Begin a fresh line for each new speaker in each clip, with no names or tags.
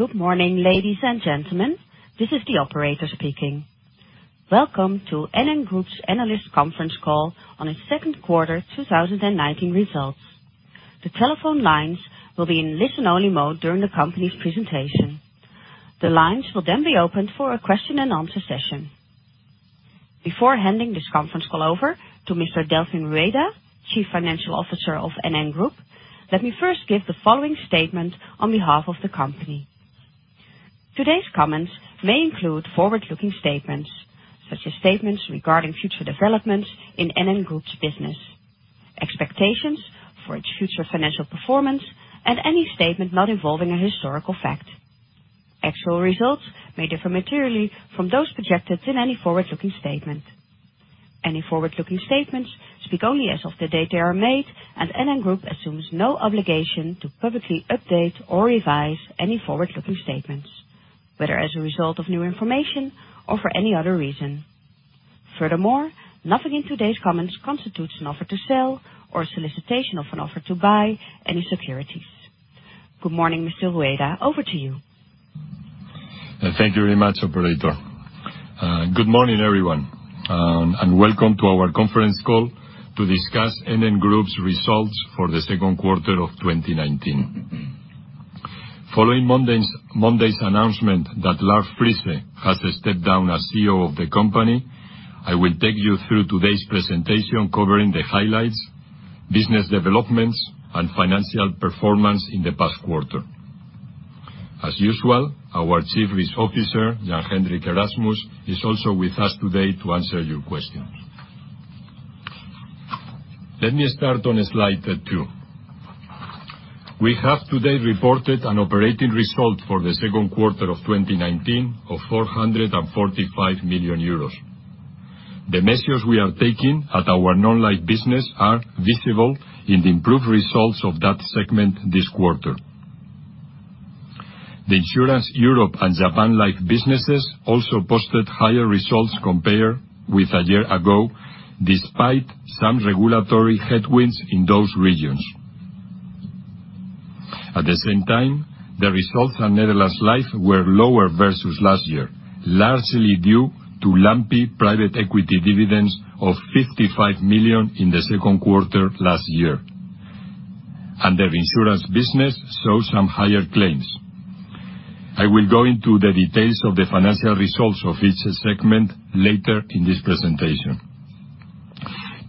Good morning, ladies and gentlemen. This is the operator speaking. Welcome to NN Group's analyst conference call on its second quarter 2019 results. The telephone lines will be in listen-only mode during the company's presentation. The lines will then be opened for a question-and-answer session. Before handing this conference call over to Mr. Delfin Rueda, Chief Financial Officer of NN Group, let me first give the following statement on behalf of the company. Today's comments may include forward-looking statements, such as statements regarding future developments in NN Group's business, expectations for its future financial performance, and any statement not involving a historical fact. Actual results may differ materially from those projected in any forward-looking statement. Any forward-looking statements speak only as of the date they are made, and NN Group assumes no obligation to publicly update or revise any forward-looking statements, whether as a result of new information or for any other reason. Furthermore, nothing in today's comments constitutes an offer to sell or solicitation of an offer to buy any securities. Good morning, Mr. Rueda. Over to you.
Thank you very much, operator. Good morning, everyone, and welcome to our conference call to discuss NN Group's results for the second quarter of 2019. Following Monday's announcement that Lard Friese has stepped down as CEO of the company, I will take you through today's presentation covering the highlights, business developments, and financial performance in the past quarter. As usual, our chief risk officer, Jan-Hendrik Erasmus, is also with us today to answer your questions. Let me start on slide two. We have today reported an operating result for the second quarter of 2019 of 445 million euros. The measures we are taking at our Non-life business are visible in the improved results of that segment this quarter. The Insurance Europe and Japan Life businesses also posted higher results compared with a year ago, despite some regulatory headwinds in those regions. At the same time, the results at Netherlands Life were lower versus last year, largely due to lumpy private equity dividends of 55 million in the second quarter last year. Their insurance business saw some higher claims. I will go into the details of the financial results of each segment later in this presentation.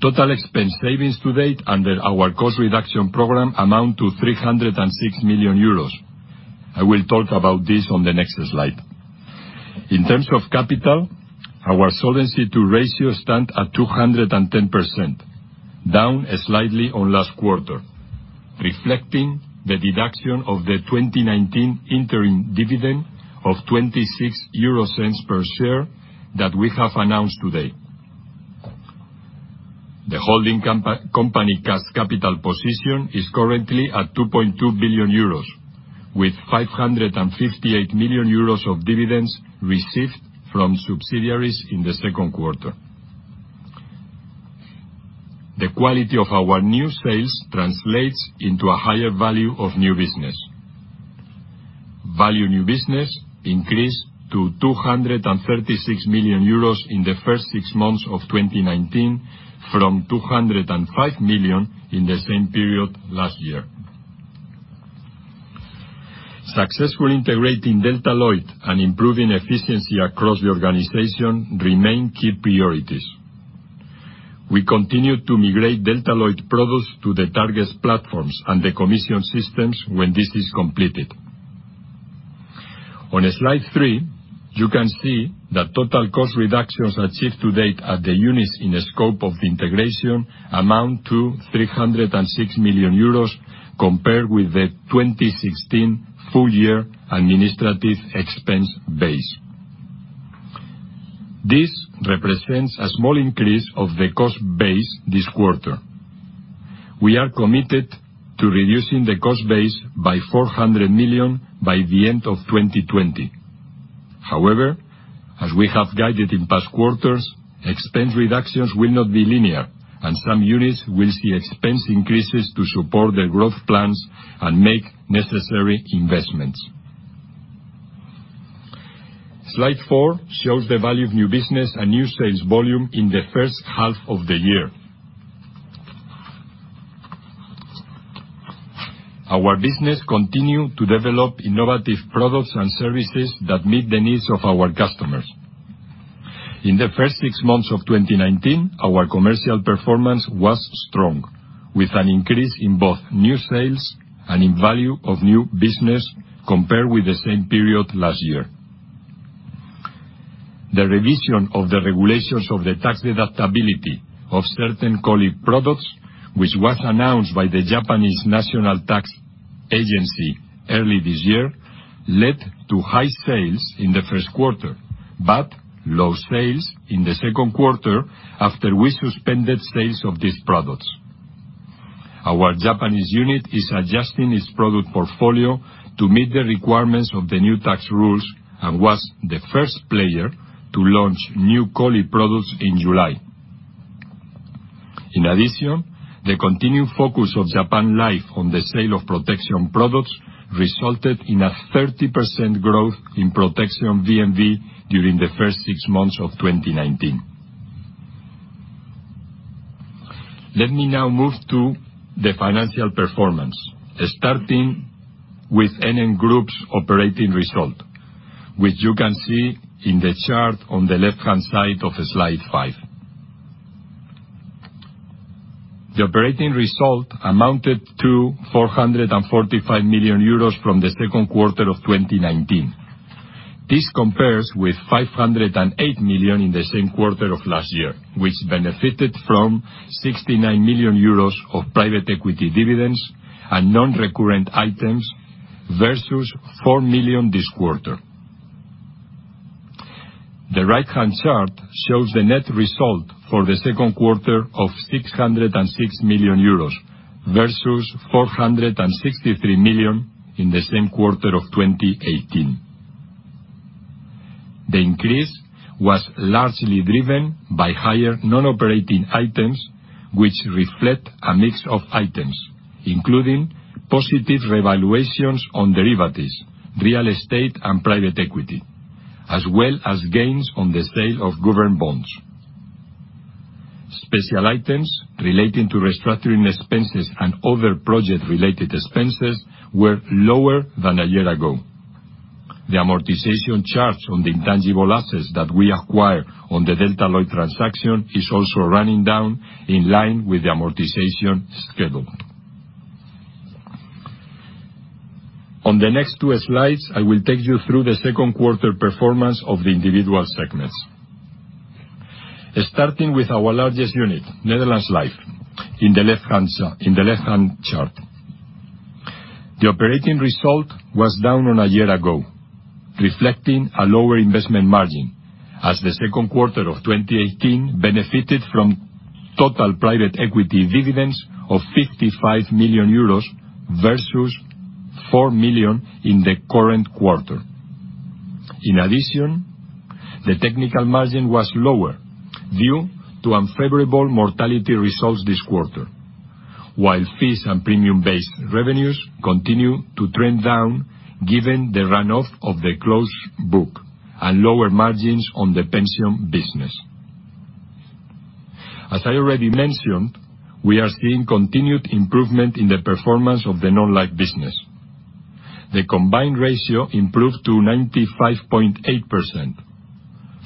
Total expense savings to date under our cost reduction program amount to 306 million euros. I will talk about this on the next slide. In terms of capital, our Solvency II ratio stands at 210%, down slightly on last quarter, reflecting the deduction of the 2019 interim dividend of 0.26 per share that we have announced today. The holding company cash capital position is currently at 2.2 billion euros, with 558 million euros of dividends received from subsidiaries in the second quarter. The quality of our new sales translates into a higher Value of New Business. Value New Business increased to 236 million euros in the first six months of 2019 from 205 million in the same period last year. Successfully integrating Delta Lloyd and improving efficiency across the organization remain key priorities. We continue to migrate Delta Lloyd products to the target platforms and the commission systems when this is completed. On slide three, you can see that total cost reductions achieved to date at the units in the scope of the integration amount to 306 million euros compared with the 2016 full year administrative expense base. This represents a small increase of the cost base this quarter. We are committed to reducing the cost base by 400 million by the end of 2020. However, as we have guided in past quarters, expense reductions will not be linear, and some units will see expense increases to support their growth plans and make necessary investments. Slide four shows the Value of New Business and new sales volume in the first half of the year. Our business continued to develop innovative products and services that meet the needs of our customers. In the first six months of 2019, our commercial performance was strong, with an increase in both new sales and in Value of New Business compared with the same period last year. The revision of the regulations of the tax deductibility of certain COLI products, which was announced by the Japanese National Tax Agency early this year, led to high sales in the first quarter, but low sales in the second quarter after we suspended sales of these products. Our Japanese unit is adjusting its product portfolio to meet the requirements of the new tax rules and was the first player to launch new COLI products in July. In addition, the continued focus of Japan Life on the sale of protection products resulted in a 30% growth in protection BMV during the first six months of 2019. Let me now move to the financial performance, starting with NN Group's operating result, which you can see in the chart on the left-hand side of slide five. The operating result amounted to 445 million euros from the second quarter of 2019. This compares with 508 million in the same quarter of last year, which benefited from 69 million euros of private equity dividends and non-recurrent items versus 4 million this quarter. The right-hand chart shows the net result for the second quarter of 606 million euros versus 463 million in the same quarter of 2018. The increase was largely driven by higher non-operating items, which reflect a mix of items, including positive revaluations on derivatives, real estate, and private equity, as well as gains on the sale of government bonds. Special items relating to restructuring expenses and other project-related expenses were lower than a year ago. The amortization charge on the intangible assets that we acquired on the Delta Lloyd transaction is also running down in line with the amortization schedule. On the next two slides, I will take you through the second quarter performance of the individual segments. Starting with our largest unit, Netherlands Life, in the left-hand chart. The operating result was down on a year ago, reflecting a lower investment margin as the second quarter of 2018 benefited from total private equity dividends of 55 million euros versus 4 million in the current quarter. In addition, the technical margin was lower due to unfavorable mortality results this quarter. While fees and premium-based revenues continue to trend down given the run-off of the closed book and lower margins on the pension business. As I already mentioned, we are seeing continued improvement in the performance of the non-life business. The combined ratio improved to 95.8%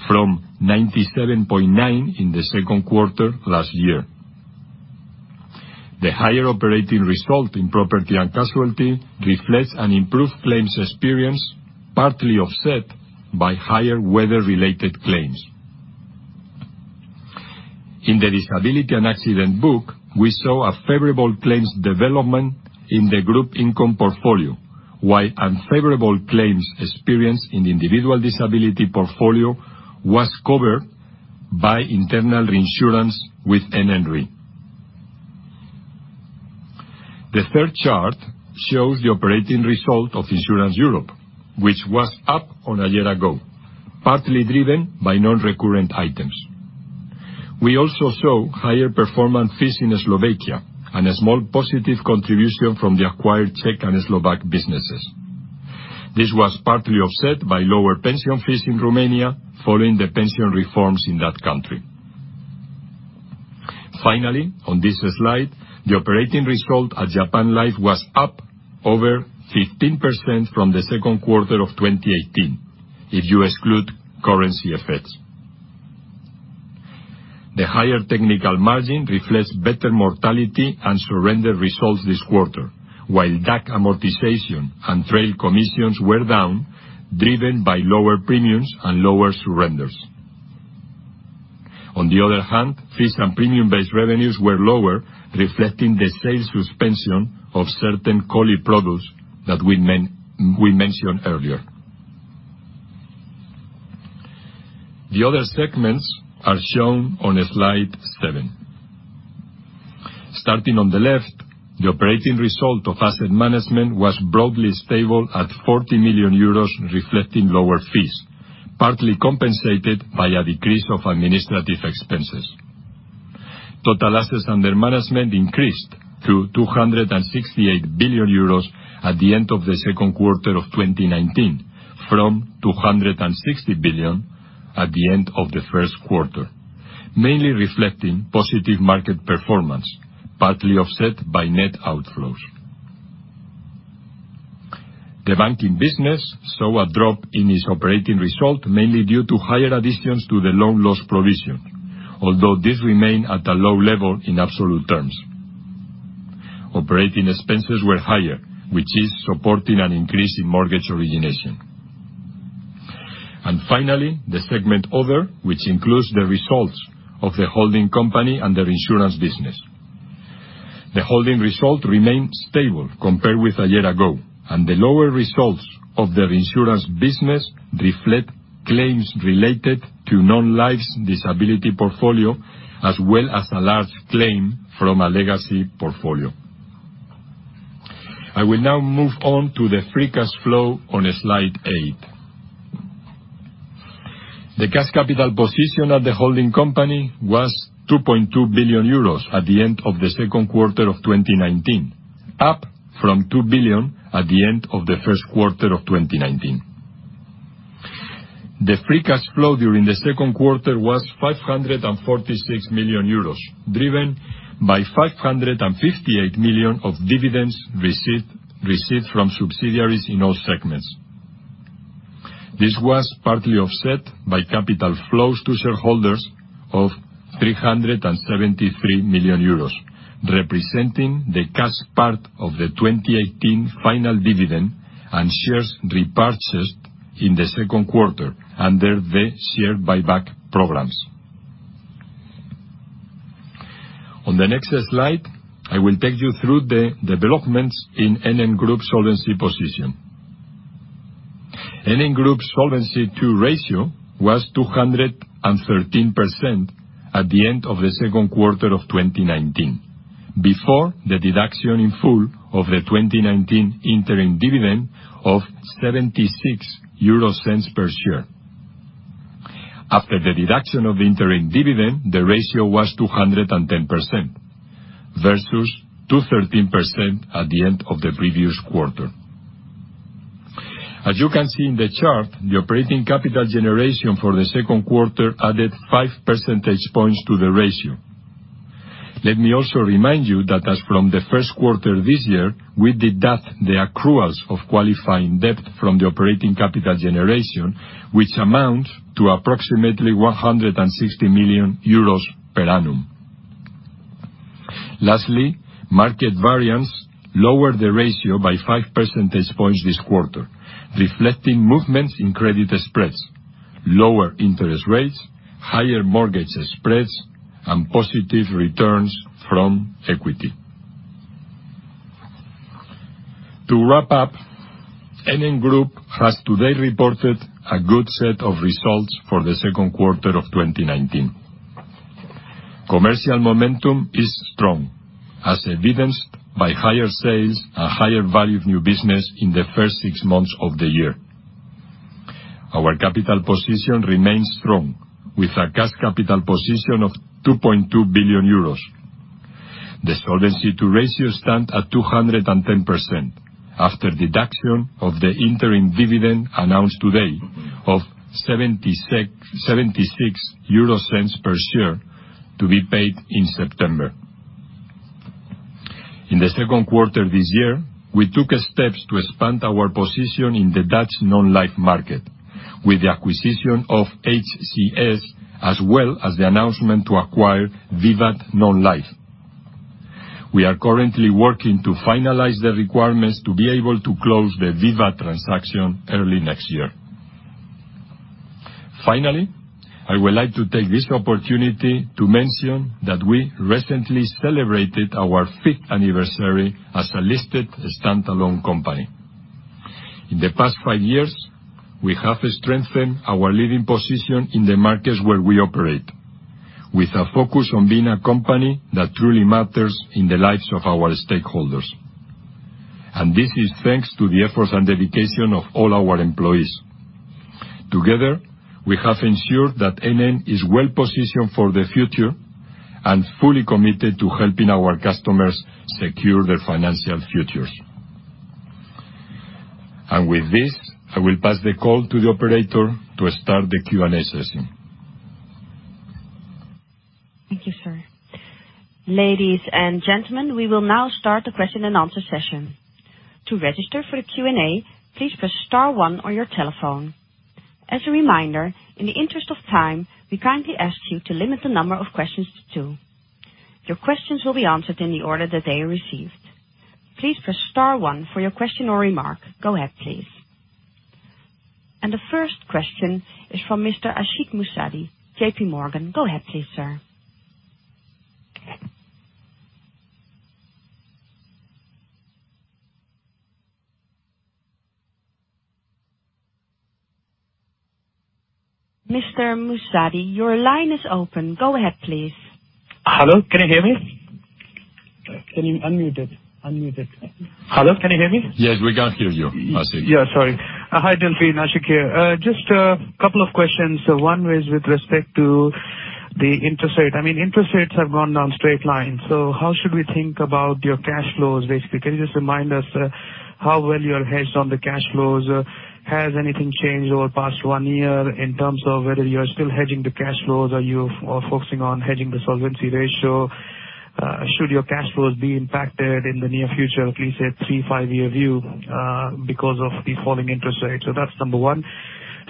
from 97.9% in the second quarter last year. The higher operating result in property and casualty reflects an improved claims experience, partly offset by higher weather-related claims. In the disability and accident book, we saw a favorable claims development in the group income portfolio, while unfavorable claims experience in the individual disability portfolio was covered by internal reinsurance with NN Re. The third chart shows the operating result of Insurance Europe, which was up on a year ago, partly driven by non-recurrent items. We also saw higher performance fees in Slovakia and a small positive contribution from the acquired Czech and Slovak businesses. This was partly offset by lower pension fees in Romania, following the pension reforms in that country. Finally, on this slide, the operating result at Japan Life was up over 15% from the second quarter of 2018, if you exclude currency effects. The higher technical margin reflects better mortality and surrender results this quarter, while DAC amortization and trail commissions were down, driven by lower premiums and lower surrenders. Fees and premium-based revenues were lower, reflecting the sale suspension of certain COLI products that we mentioned earlier. The other segments are shown on slide seven. The operating result of asset management was broadly stable at 40 million euros, reflecting lower fees, partly compensated by a decrease of administrative expenses. Total assets under management increased to 268 billion euros at the end of the second quarter of 2019 from 260 billion at the end of the first quarter, mainly reflecting positive market performance, partly offset by net outflows. The banking business saw a drop in its operating result, mainly due to higher additions to the loan loss provision, although this remained at a low level in absolute terms. Operating expenses were higher, which is supporting an increase in mortgage origination. Finally, the segment Other, which includes the results of the holding company and the reinsurance business. The holding result remained stable compared with a year ago. The lower results of the reinsurance business reflect claims related to non-life's disability portfolio, as well as a large claim from a legacy portfolio. I will now move on to the free cash flow on slide eight. The cash capital position of the holding company was 2.2 billion euros at the end of the second quarter of 2019, up from 2 billion at the end of the first quarter of 2019. The free cash flow during the second quarter was 546 million euros, driven by 558 million of dividends received from subsidiaries in all segments. This was partly offset by capital flows to shareholders of 373 million euros, representing the cash part of the 2018 final dividend and shares repurchased in the second quarter under the share buyback programs. On the next slide, I will take you through the developments in NN Group solvency position. NN Group Solvency II ratio was 213% at the end of the second quarter of 2019, before the deduction in full of the 2019 interim dividend of 0.76 per share. After the deduction of interim dividend, the ratio was 210% versus 213% at the end of the previous quarter. As you can see in the chart, the operating capital generation for the second quarter added five percentage points to the ratio. Let me also remind you that as from the first quarter this year, we deduct the accruals of qualifying debt from the operating capital generation, which amount to approximately 160 million euros per annum. Lastly, market variance lowered the ratio by five percentage points this quarter, reflecting movements in credit spreads, lower interest rates, higher mortgage spreads, and positive returns from equity. To wrap up, NN Group has today reported a good set of results for the second quarter of 2019. Commercial momentum is strong, as evidenced by higher sales and higher Value of New Business in the first six months of the year. Our capital position remains strong with a cash capital position of 2.2 billion euros. The Solvency II ratio stands at 210% after deduction of the interim dividend announced today of EUR 0.76 per share to be paid in September. In the second quarter this year, we took steps to expand our position in the Dutch non-life market with the acquisition of HCS, as well as the announcement to acquire VIVAT Non-life. We are currently working to finalize the requirements to be able to close the VIVAT transaction early next year. Finally, I would like to take this opportunity to mention that we recently celebrated our fifth anniversary as a listed standalone company. In the past five years, we have strengthened our leading position in the markets where we operate, with a focus on being a company that truly matters in the lives of our stakeholders. This is thanks to the efforts and dedication of all our employees. Together, we have ensured that NN is well positioned for the future and fully committed to helping our customers secure their financial futures. With this, I will pass the call to the operator to start the Q&A session.
Thank you, sir. Ladies and gentlemen, we will now start the question and answer session. To register for the Q&A, please press star one on your telephone. As a reminder, in the interest of time, we kindly ask you to limit the number of questions to two. Your questions will be answered in the order that they are received. Please press star one for your question or remark. Go ahead, please. The first question is from Mr. Ashik Musaddi, J.P. Morgan. Go ahead please, sir. Mr. Musaddi, your line is open. Go ahead, please.
Hello, can you hear me?
Unmute it.
Hello, can you hear me?
Yes, we can hear you, Ashik.
Sorry. Hi, Delfin. Ashik here. Just a couple of questions. One was with respect to the interest rate. Interest rates have gone down straight line. How should we think about your cash flows, basically? Can you just remind us how well you are hedged on the cash flows? Has anything changed over the past one year in terms of whether you are still hedging the cash flows? Are you more focusing on hedging the solvency ratio? Should your cash flows be impacted in the near future, at least a 3, 5-year view, because of the falling interest rates? That's number one.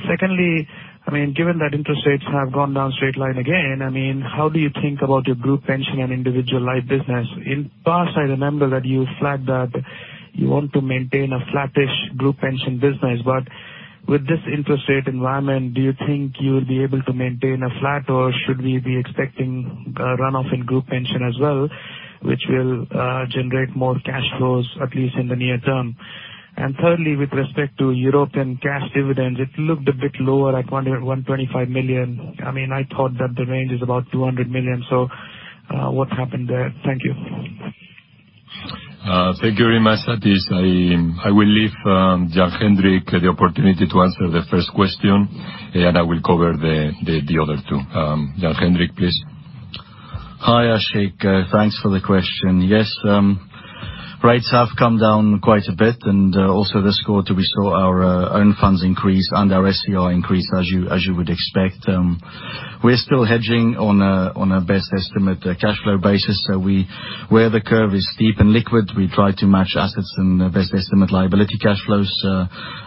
Secondly, given that interest rates have gone down straight line again, how do you think about your group pension and individual life business? In the past, I remember that you flagged that you want to maintain a flattish group pension business. With this interest rate environment, do you think you'll be able to maintain a flat, or should we be expecting a runoff in group pension as well, which will generate more cash flows, at least in the near term? Thirdly, with respect to European cash dividends, it looked a bit lower, like only at 125 million. I thought that the range is about 200 million. What happened there? Thank you.
Thank you very much, Ashik. I will leave Jan-Hendrik the opportunity to answer the first question, and I will cover the other two. Jan-Hendrik, please.
Hi, Ashik. Thanks for the question. Yes. Rates have come down quite a bit. Also this quarter we saw our own funds increase and our SCR increase, as you would expect. We're still hedging on a best estimate cash flow basis. Where the curve is steep and liquid, we try to match assets and best estimate liability cash flows.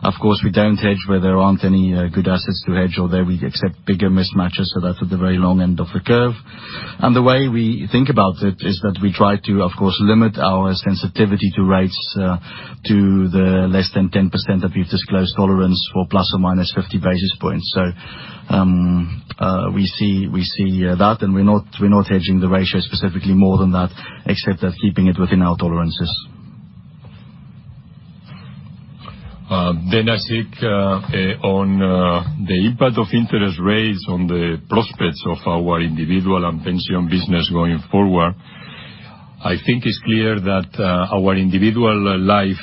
Of course, we don't hedge where there aren't any good assets to hedge, or there we accept bigger mismatches. That's at the very long end of the curve. The way we think about it is that we try to, of course, limit our sensitivity to rates to the less than 10% that we've disclosed tolerance for ±50 basis points. We see that. We're not hedging the ratio specifically more than that, except that keeping it within our tolerances.
Ashik, on the impact of interest rates on the prospects of our individual and pension business going forward. I think it's clear that our individual life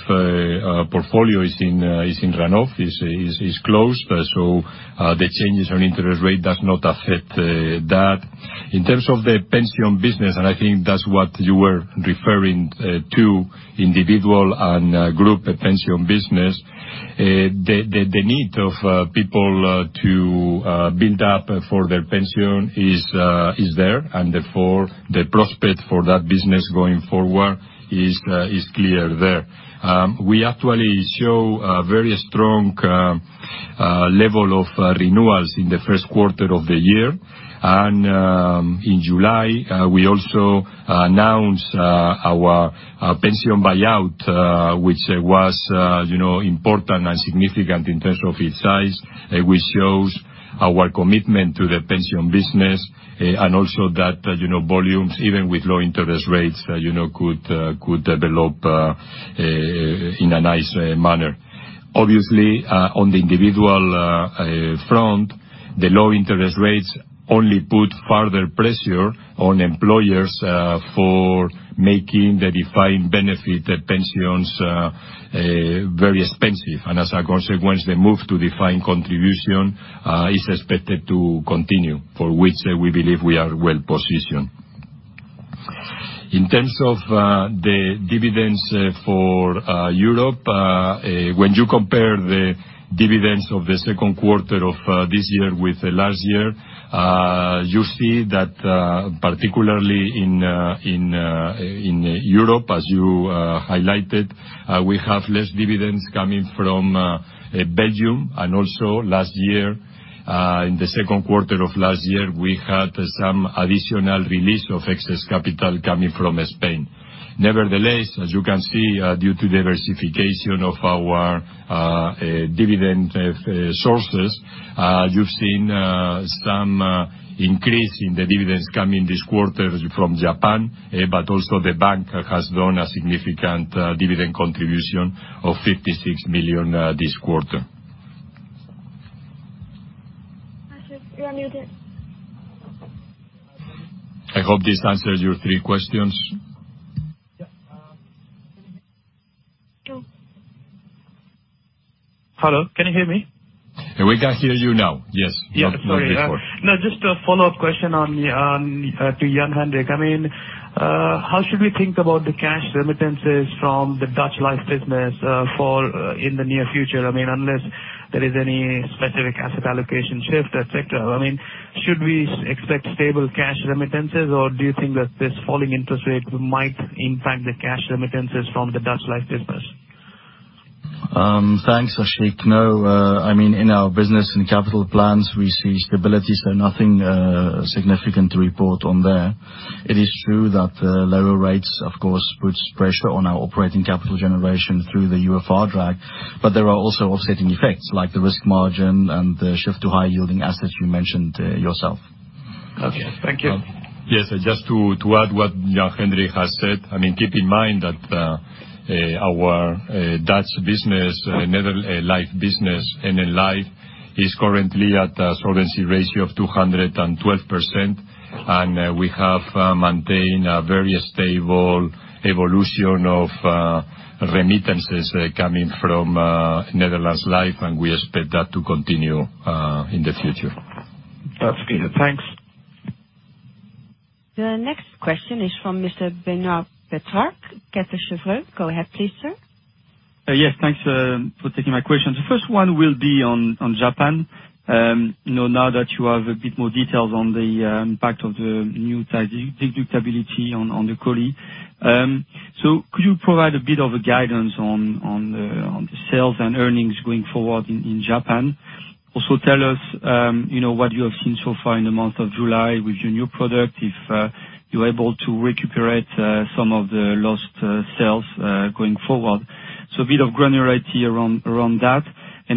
portfolio is in run-off, is closed. The changes on interest rate does not affect that. In terms of the pension business, and I think that's what you were referring to, individual and group pension business. The need of people to build up for their pension is there, and therefore, the prospect for that business going forward is clear there. We actually show a very strong level of renewals in the first quarter of the year. In July, we also announced our pension buyout, which was important and significant in terms of its size, which shows our commitment to the pension business and also that volumes, even with low interest rates could develop in a nice manner. Obviously, on the individual front, the low interest rates only put further pressure on employers for making the defined benefit pensions very expensive. As a consequence, the move to defined contribution is expected to continue, for which we believe we are well positioned. In terms of the dividends for Europe, when you compare the dividends of the second quarter of this year with last year, you see that particularly in Europe, as you highlighted, we have less dividends coming from Belgium, and also in the second quarter of last year, we had some additional release of excess capital coming from Spain. As you can see, due to diversification of our dividend sources, you've seen some increase in the dividends coming this quarter from Japan, but also the bank has done a significant dividend contribution of 56 million this quarter.
Ashik, you're on mute.
I hope this answers your three questions.
Two.
Hello, can you hear me?
We can hear you now. Yes.
Yeah. Sorry. Just a follow-up question to Jan-Hendrik. How should we think about the cash remittances from the Dutch Life business in the near future? Unless there is any specific asset allocation shift, et cetera. Should we expect stable cash remittances, or do you think that this falling interest rate might impact the cash remittances from the Dutch Life business?
Thanks, Ashik. In our business and capital plans, we see stability, so nothing significant to report on there. It is true that lower rates, of course, puts pressure on our operating capital generation through the UFR drag. There are also offsetting effects, like the risk margin and the shift to high yielding assets you mentioned yourself.
Okay. Thank you.
Yes. Just to add what Jan-Hendrik has said. Keep in mind that our Dutch business, Netherlands Life business, NN Life, is currently at a solvency ratio of 212%, and we have maintained a very stable evolution of remittances coming from Netherlands Life, and we expect that to continue in the future.
That's clear. Thanks.
The next question is from Mr. Benoit Petrarque, Credit Suisse. Go ahead, please, sir.
Yes. Thanks for taking my question. The first one will be on Japan. Now that you have a bit more details on the impact of the new tax deductibility on the COLI. Could you provide a bit of a guidance on the sales and earnings going forward in Japan? Also tell us what you have seen so far in the month of July with your new product, if you're able to recuperate some of the lost sales going forward. A bit of granularity around that.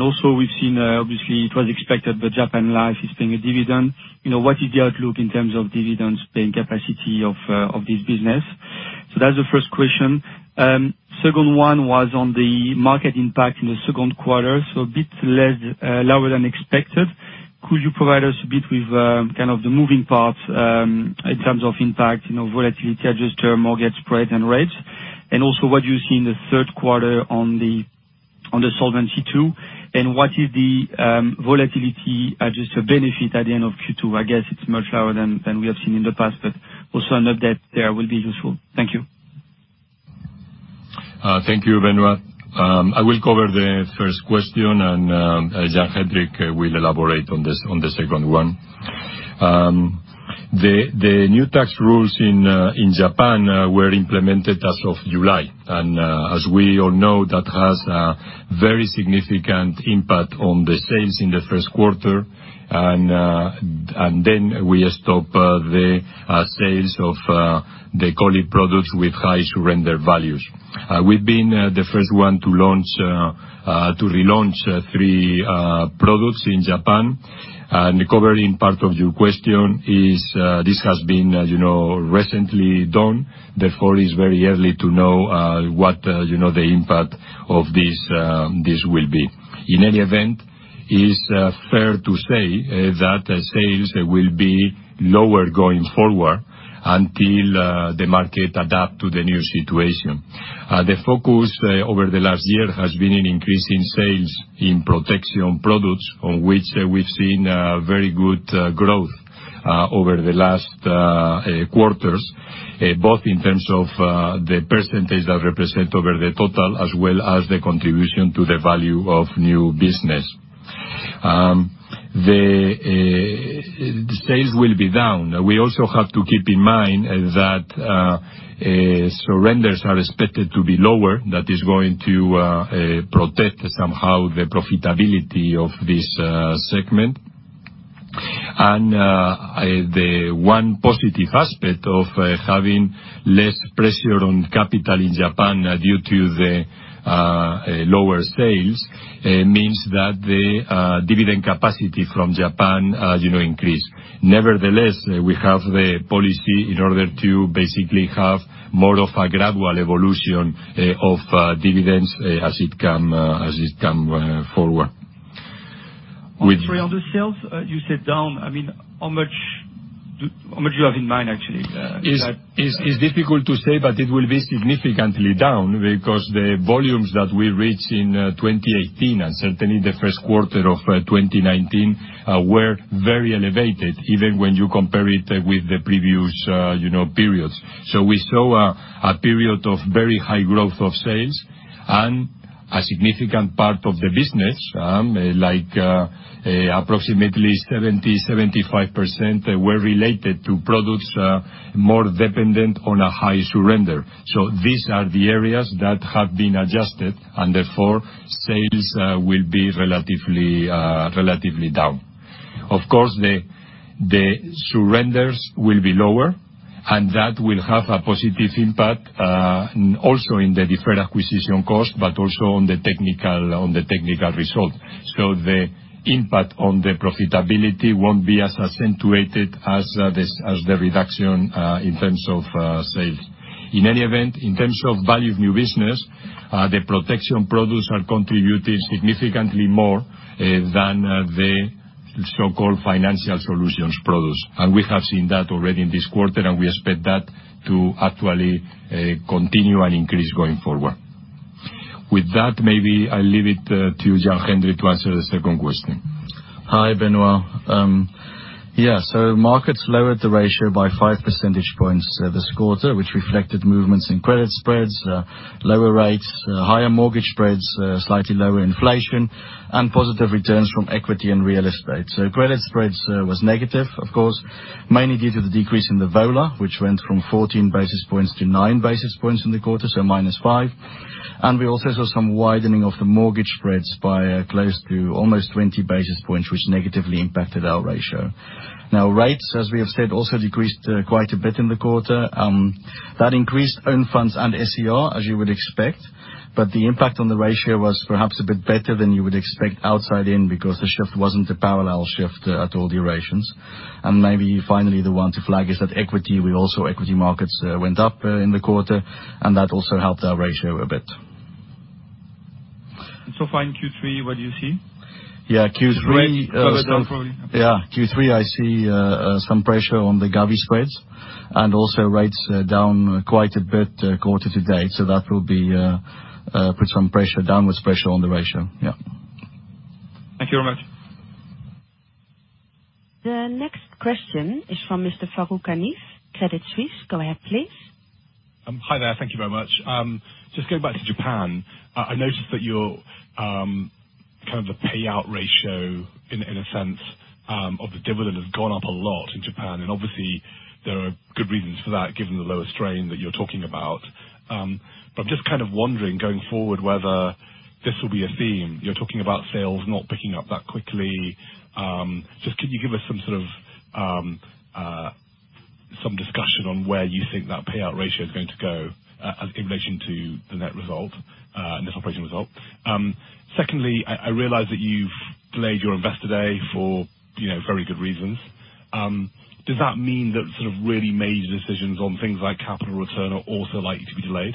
Also we've seen, obviously it was expected, but Japan Life is paying a dividend. What is the outlook in terms of dividend paying capacity of this business? That's the first question. Second one was on the market impact in the second quarter, so a bit lower than expected. Could you provide us a bit with the moving parts in terms of impact, volatility adjustment, mortgage spread, and rates? Also what you see in the third quarter on the Solvency II, and what is the volatility adjustment benefit at the end of Q2? I guess it's much lower than we have seen in the past, also an update there will be useful. Thank you.
Thank you, Benoit. I will cover the first question and Jan-Hendrik will elaborate on the second one. The new tax rules in Japan were implemented as of July. As we all know, that has a very significant impact on the sales in the first quarter. Then we stop the sales of the COLI products with high surrender values. We've been the first one to relaunch three products in Japan. Covering part of your question is, this has been recently done, therefore, it's very early to know what the impact of this will be. In any event, it's fair to say that sales will be lower going forward until the market adapt to the new situation. The focus over the last year has been in increasing sales in protection products, on which we've seen very good growth over the last quarters, both in terms of the percentage that represent over the total, as well as the contribution to the Value of New Business. The sales will be down. We also have to keep in mind that surrenders are expected to be lower, that is going to protect somehow the profitability of this segment. The one positive aspect of having less pressure on capital in Japan due to the lower sales, means that the dividend capacity from Japan increase. Nevertheless, we have the policy in order to basically have more of a gradual evolution of dividends as it come forward.
Sorry, on the sales, you said down. How much do you have in mind, actually?
It's difficult to say, but it will be significantly down because the volumes that we reached in 2018, and certainly the first quarter of 2019, were very elevated, even when you compare it with the previous periods. We saw a period of very high growth of sales, and a significant part of the business, like approximately 70%-75%, were related to products more dependent on a high surrender. These are the areas that have been adjusted, and therefore, sales will be relatively down. Of course, the surrenders will be lower, and that will have a positive impact, also in the deferred acquisition cost, but also on the technical result. The impact on the profitability won't be as accentuated as the reduction in terms of sales. In any event, in terms of Value of New Business, the protection products are contributing significantly more than the so-called financial solutions products. We have seen that already in this quarter, and we expect that to actually continue and increase going forward. With that, maybe I'll leave it to Jan-Hendrik to answer the second question.
Hi, Benoit. Yeah. Markets lowered the ratio by 5 percentage points this quarter, which reflected movements in credit spreads, lower rates, higher mortgage spreads, slightly lower inflation, and positive returns from equity and real estate. Credit spreads was negative, of course, mainly due to the decrease in the VA, which went from 14 basis points to 9 basis points in the quarter, so minus 5. We also saw some widening of the mortgage spreads by close to almost 20 basis points, which negatively impacted our ratio. Rates, as we have said, also decreased quite a bit in the quarter. That increased own funds and SCR, as you would expect. The impact on the ratio was perhaps a bit better than you would expect outside in, because the shift wasn't a parallel shift at all durations. Maybe finally, the one to flag is that equity. Equity markets went up in the quarter, and that also helped our ratio a bit.
Far in Q3, what do you see?
Yeah. Q3, I see some pressure on the govvie spreads, and also rates down quite a bit quarter to date. That will put some downward pressure on the ratio. Yeah.
Thank you very much.
The next question is from Mr. Farooq Hanif, Credit Suisse. Go ahead, please.
Hi there. Thank you very much. Going back to Japan. I noticed that your kind of the payout ratio in a sense of the dividend has gone up a lot in Japan, obviously there are good reasons for that, given the lower strain that you're talking about. I'm just kind of wondering, going forward, whether this will be a theme. You're talking about sales not picking up that quickly. Could you give us some sort of discussion on where you think that payout ratio is going to go in relation to the net result, net operation result? Secondly, I realize that you've delayed your investor day for very good reasons. Does that mean that sort of really major decisions on things like capital return are also likely to be delayed?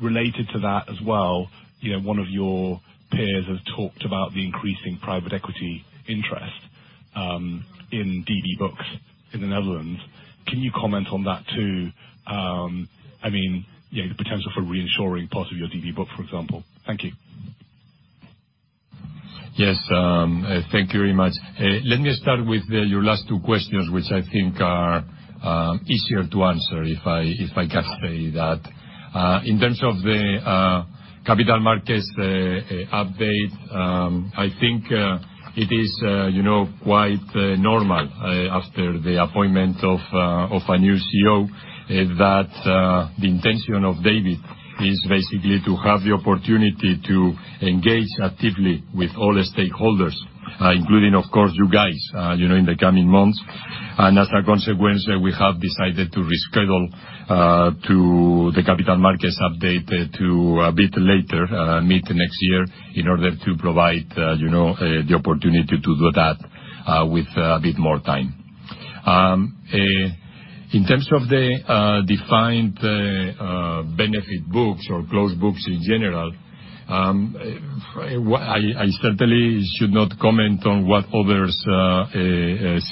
Related to that as well, one of your peers has talked about the increasing private equity interest in DB books in the Netherlands. Can you comment on that too? The potential for reinsuring part of your DB book, for example. Thank you.
Yes. Thank you very much. Let me start with your last two questions, which I think are easier to answer, if I can say that. In terms of the Capital Markets Update, I think it is quite normal after the appointment of a new CEO that the intention of David is basically to have the opportunity to engage actively with all the stakeholders, including, of course, you guys, in the coming months. As a consequence, we have decided to reschedule to the Capital Markets Update to a bit later, mid next year, in order to provide the opportunity to do that with a bit more time. In terms of the defined benefit books or closed books in general, I certainly should not comment on what others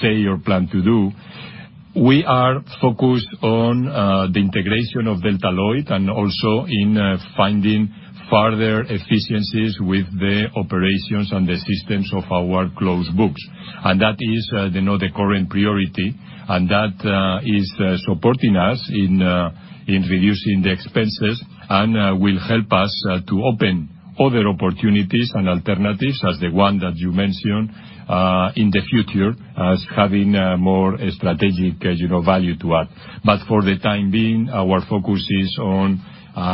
say or plan to do. We are focused on the integration of Delta Lloyd and also in finding further efficiencies with the operations and the systems of our closed books. That is the current priority, and that is supporting us in reducing the expenses and will help us to open other opportunities and alternatives as the one that you mentioned, in the future, as having more strategic value to add. For the time being, our focus is on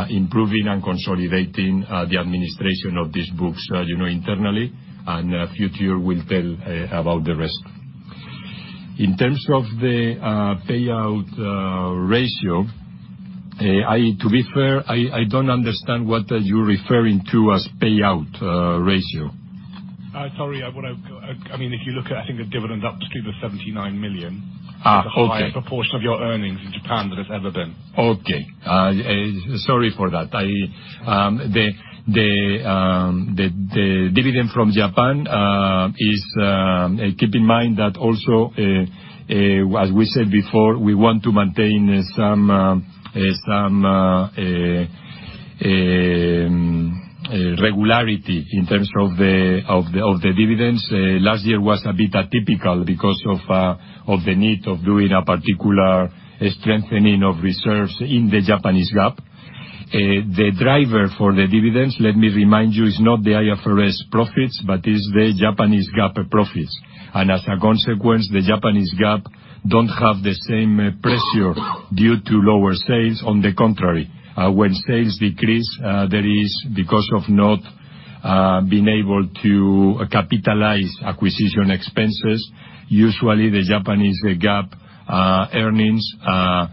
improving and consolidating the administration of these books internally, and future will tell about the rest. In terms of the payout ratio, to be fair, I don't understand what you're referring to as payout ratio.
Sorry. If you look at, I think, the dividend up to the 79 million.
Okay.
It's the highest proportion of your earnings in Japan than it's ever been.
Okay. Sorry for that. The dividend from Japan is, keep in mind that also, as we said before, we want to maintain some regularity in terms of the dividends. Last year was a bit atypical because of the need of doing a particular strengthening of reserves in the Japanese GAAP. The driver for the dividends, let me remind you, is not the IFRS profits, but is the Japanese GAAP profits. As a consequence, the Japanese GAAP don't have the same pressure due to lower sales. On the contrary, when sales decrease, there is because of not being able to capitalize acquisition expenses. Usually, the Japanese GAAP earnings are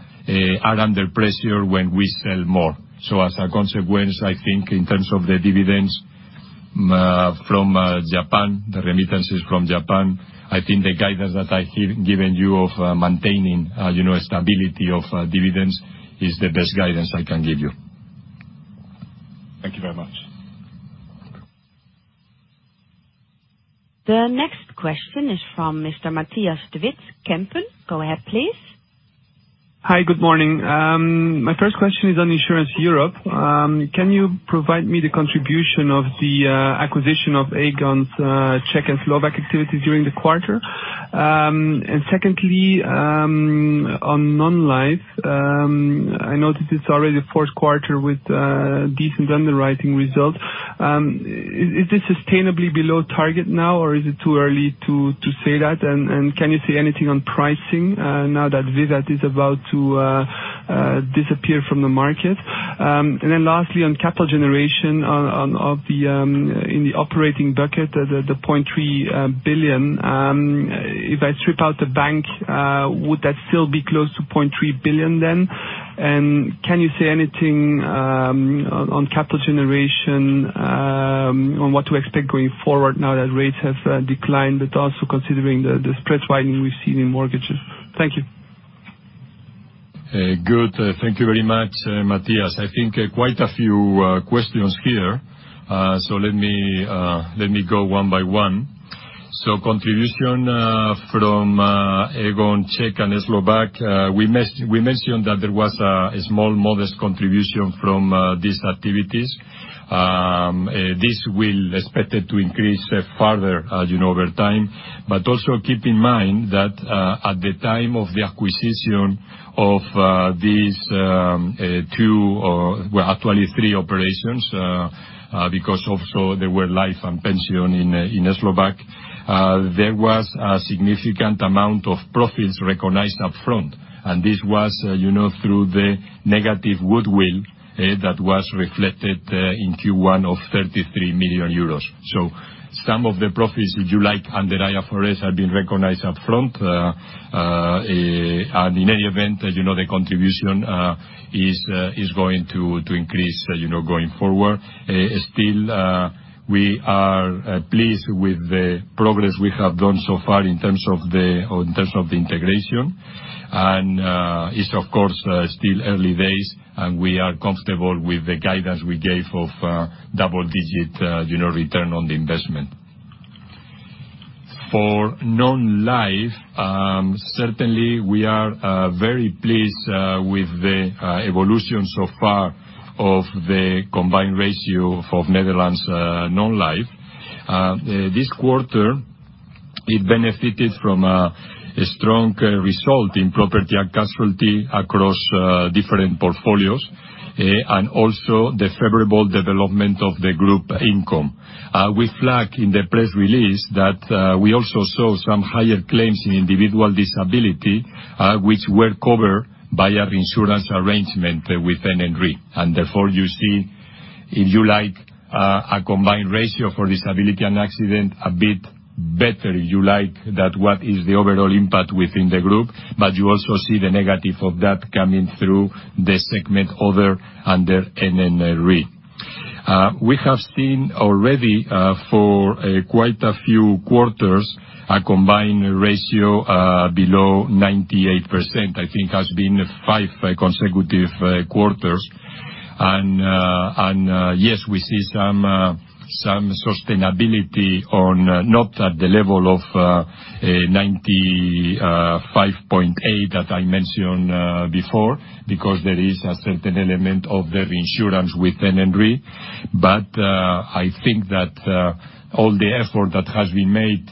under pressure when we sell more. As a consequence, I think in terms of the dividends from Japan, the remittances from Japan, I think the guidance that I've given you of maintaining stability of dividends is the best guidance I can give you.
Thank you very much.
The next question is from Mr. Matthias de Wit Kempen. Go ahead, please.
Hi, good morning. My first question is on Insurance Europe. Can you provide me the contribution of the acquisition of Aegon's Czech and Slovak activity during the quarter? Secondly, on non-life, I noticed it's already the fourth quarter with decent underwriting results. Is this sustainably below target now, or is it too early to say that? Can you say anything on pricing now that Vivat is about to disappear from the market? Lastly, on capital generation in the operating bucket, the 3.3 billion. If I strip out the bank, would that still be close to 3.3 billion then? Can you say anything on capital generation on what to expect going forward now that rates have declined, but also considering the spread widening we've seen in mortgages? Thank you.
Good. Thank you very much, Matthias. I think quite a few questions here. Let me go one by one. Contribution from Aegon Czech and Slovak. We mentioned that there was a small modest contribution from these activities. This we'll expect to increase further over time. Also keep in mind that at the time of the acquisition of these two, or well, actually three operations, because also there were life and pension in Slovak. There was a significant amount of profits recognized up front, and this was through the negative goodwill that was reflected in Q1 of 33 million euros. Some of the profits, if you like, under IFRS, have been recognized up front. In any event, as you know, the contribution is going to increase, going forward. Still, we are pleased with the progress we have done so far in terms of the integration. It's, of course, still early days, and we are comfortable with the guidance we gave of double-digit return on the investment. For non-life, certainly, we are very pleased with the evolution so far of the combined ratio of Netherlands Non-life. This quarter, it benefited from a strong result in property and casualty across different portfolios, and also the favorable development of the group income. We flag in the press release that we also saw some higher claims in individual disability, which were covered by our insurance arrangement with NN Group. Therefore, you see, if you like, a combined ratio for disability and accident a bit better. If you like that what is the overall impact within the group, you also see the negative of that coming through the segment other under NN Group. We have seen already for quite a few quarters, a combined ratio below 98%. I think has been five consecutive quarters. Yes, we see some sustainability on, not at the level of 95.8 that I mentioned before, because there is a certain element of the reinsurance with NN Group. I think that all the effort that has been made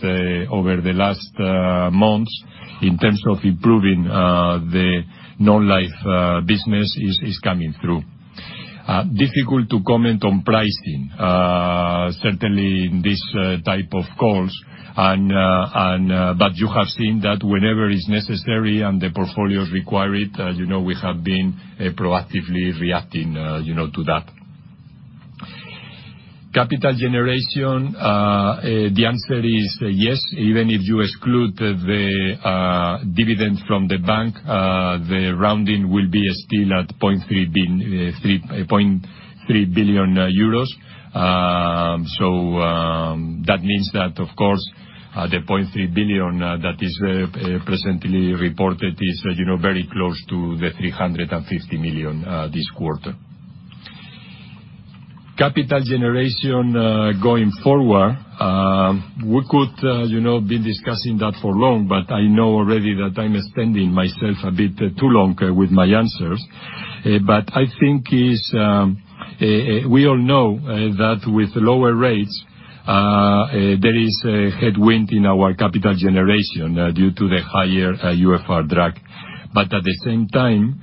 over the last months in terms of improving the non-life business is coming through. Difficult to comment on pricing, certainly in this type of calls. You have seen that whenever is necessary and the portfolios require it, we have been proactively reacting to that. Capital generation, the answer is yes. Even if you exclude the dividends from the bank, the rounding will be still at 3.3 billion. That means that, of course, the 3.3 billion that is presently reported is very close to the 350 million this quarter. Capital generation going forward, we could be discussing that for long, I know already that I'm extending myself a bit too long with my answers. I think we all know that with lower rates, there is a headwind in our capital generation due to the higher UFR drag. At the same time,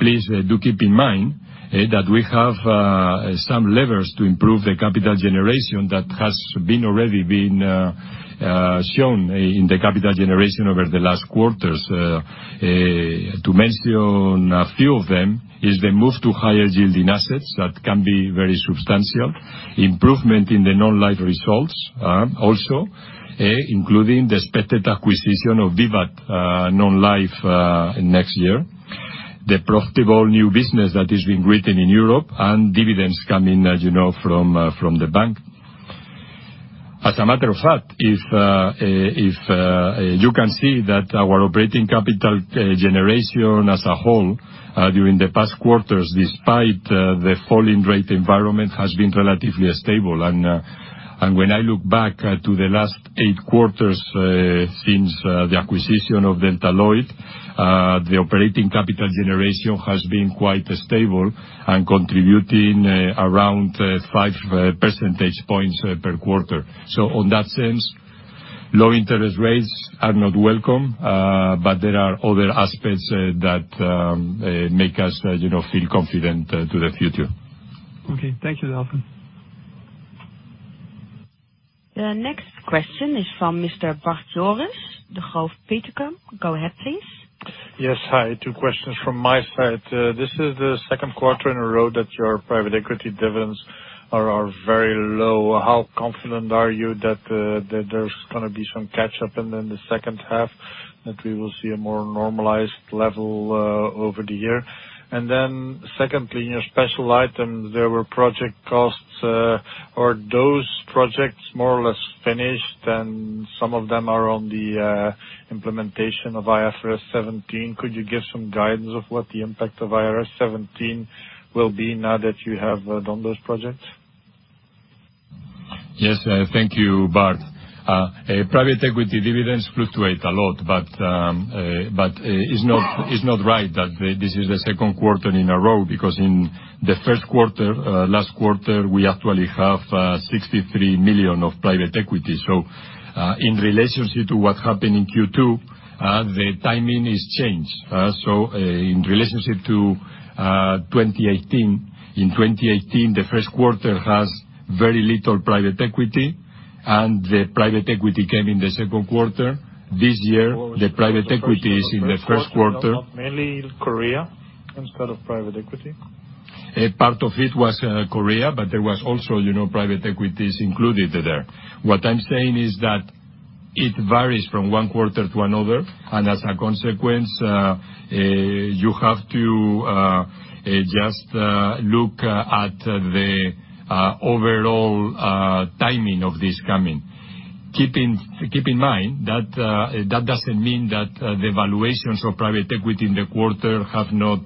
please do keep in mind that we have some levers to improve the capital generation that has already been shown in the capital generation over the last quarters. To mention a few of them is the move to higher yielding assets that can be very substantial. Improvement in the non-life results, also, including the expected acquisition of VIVAT Non-life next year. The profitable new business that is being written in Europe and dividends coming from the bank. As a matter of fact, you can see that our operating capital generation as a whole during the past quarters, despite the falling rate environment, has been relatively stable. When I look back to the last eight quarters since the acquisition of Delta Lloyd, the operating capital generation has been quite stable and contributing around five percentage points per quarter. On that sense, low interest rates are not welcome, there are other aspects that make us feel confident to the future.
Okay. Thank you, Delfin.
The next question is from Mr. Bart Jooris, Degroof Petercam. Go ahead, please.
Yes. Hi. Two questions from my side. This is the second quarter in a row that your private equity dividends are very low. How confident are you that there's going to be some catch-up in the second half, that we will see a more normalized level over the year? Secondly, in your special items, there were project costs. Are those projects more or less finished, and some of them are on the implementation of IFRS 17? Could you give some guidance of what the impact of IFRS 17 will be now that you have done those projects?
Yes. Thank you, Bart. It's not right that this is the second quarter in a row, because in the first quarter, last quarter, we actually have 63 million of private equity. In relationship to what happened in Q2, the timing is changed. In relationship to 2018, in 2018, the first quarter has very little private equity, and the private equity came in the second quarter. This year, the private equity is in the first quarter.
Mainly Korea, instead of private equity.
Part of it was Korea, but there was also private equities included there. What I'm saying is that it varies from one quarter to another, and as a consequence, you have to just look at the overall timing of this coming. Keep in mind, that doesn't mean that the valuations of private equity in the quarter have not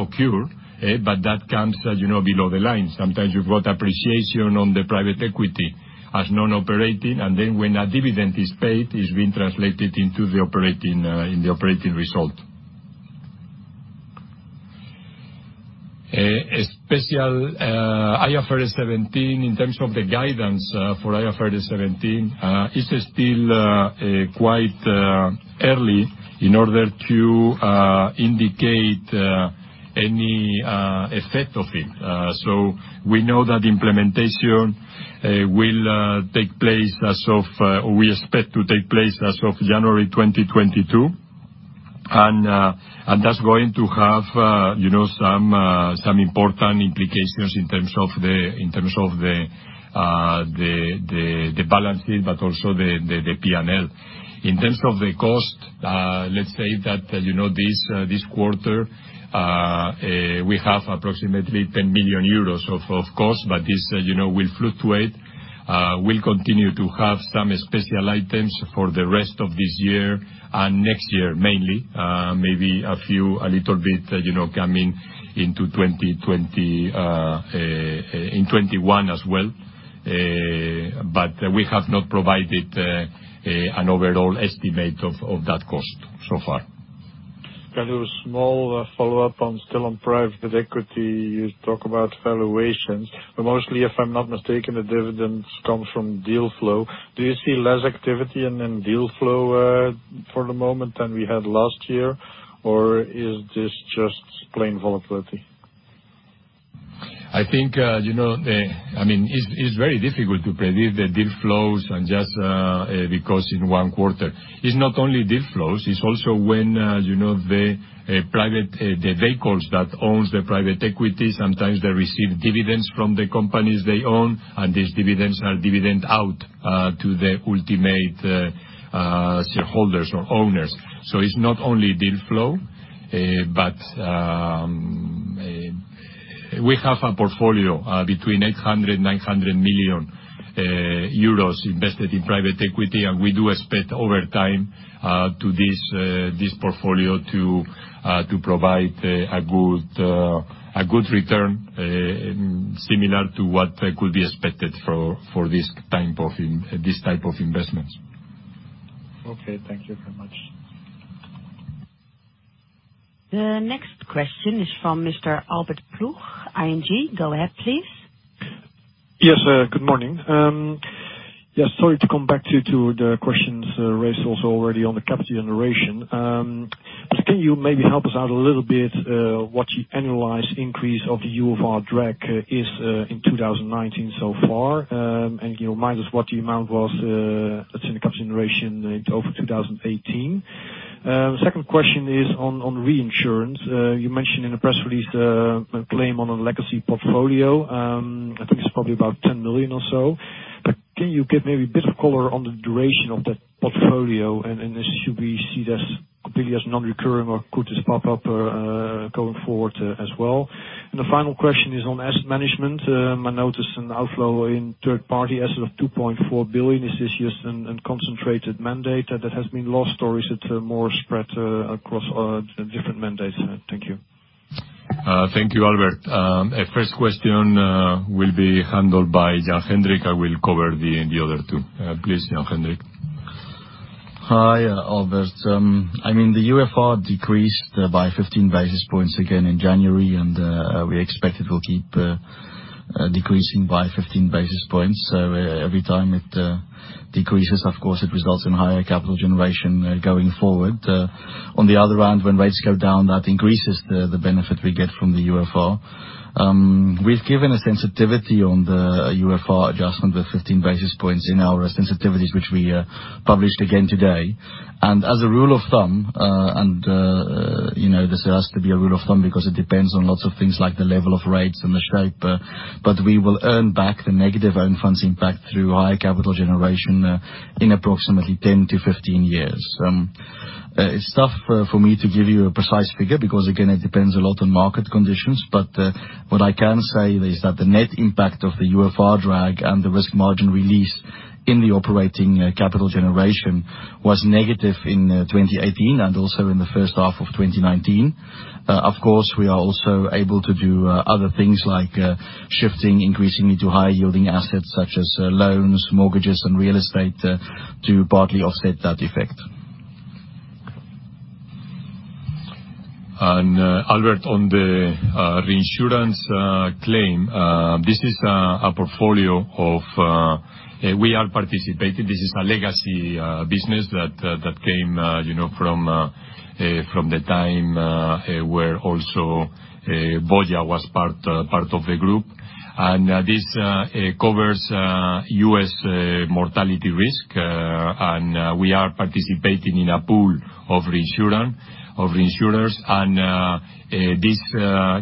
occurred. That comes below the line. Sometimes you've got appreciation on the private equity as non-operating, and then when a dividend is paid, it's being translated into the operating result. Special IFRS 17, in terms of the guidance for IFRS 17, it's still quite early in order to indicate any effect of it. We know that implementation, we expect to take place as of January 2022. That's going to have some important implications in terms of the balances, but also the P&L. In terms of the cost, let's say that this quarter, we have approximately 10 million euros of cost, but this will fluctuate. We'll continue to have some special items for the rest of this year and next year, mainly. Maybe a few, a little bit, coming into 2020, in 2021 as well. We have not provided an overall estimate of that cost so far.
Can I do a small follow-up still on private equity? You talk about valuations. Mostly, if I'm not mistaken, the dividends come from deal flow. Do you see less activity in deal flow for the moment than we had last year? Is this just plain volatility?
It's very difficult to predict the deal flows. It's not only deal flows, it's also when the vehicles that own the private equity, sometimes they receive dividends from the companies they own, and these dividends are dividend out to the ultimate shareholders or owners. It's not only deal flow. We have a portfolio between 800 million-900 million euros invested in private equity, and we do expect over time to this portfolio to provide a good return, similar to what could be expected for this type of investment.
Okay. Thank you very much.
The next question is from Mr. Albert Ploeg, ING. Go ahead, please.
Yes, good morning. Sorry to come back to the questions raised also already on the capital generation. Can you maybe help us out a little bit what the annualized increase of the UFR drag is in 2019 so far? Can you remind us what the amount was that's in the capital generation over 2018? Second question is on reinsurance. You mentioned in the press release a claim on a legacy portfolio. I think it's probably about 10 million or so. Can you give maybe a bit of color on the duration of that portfolio, and should we see this completely as non-recurring or could this pop up going forward as well? The final question is on asset management. I noticed an outflow in third party assets of 2.4 billion. Is this just a concentrated mandate that has been lost, or is it more spread across different mandates? Thank you.
Thank you, Albert. First question will be handled by Jan-Hendrik. I will cover the other two. Please, Jan-Hendrik.
Hi, Albert. The UFR decreased by 15 basis points again in January. We expect it will keep decreasing by 15 basis points. Every time it decreases, of course, it results in higher capital generation going forward. On the other hand, when rates go down, that increases the benefit we get from the UFR. We've given a sensitivity on the UFR adjustment of 15 basis points in our sensitivities, which we published again today. As a rule of thumb, and this has to be a rule of thumb because it depends on lots of things like the level of rates and the shape. We will earn back the negative own funds impact through higher capital generation in approximately 10 to 15 years. It's tough for me to give you a precise figure, because again, it depends a lot on market conditions. What I can say is that the net impact of the UFR drag and the risk margin release in the operating capital generation was negative in 2018 and also in the first half of 2019. Of course, we are also able to do other things like shifting increasingly to high yielding assets such as loans, mortgages, and real estate to partly offset that effect.
Albert, on the reinsurance claim. We are participating. This is a legacy business that came from the time where also BOLIA was part of the group. This covers U.S. mortality risk. We are participating in a pool of reinsurers, and this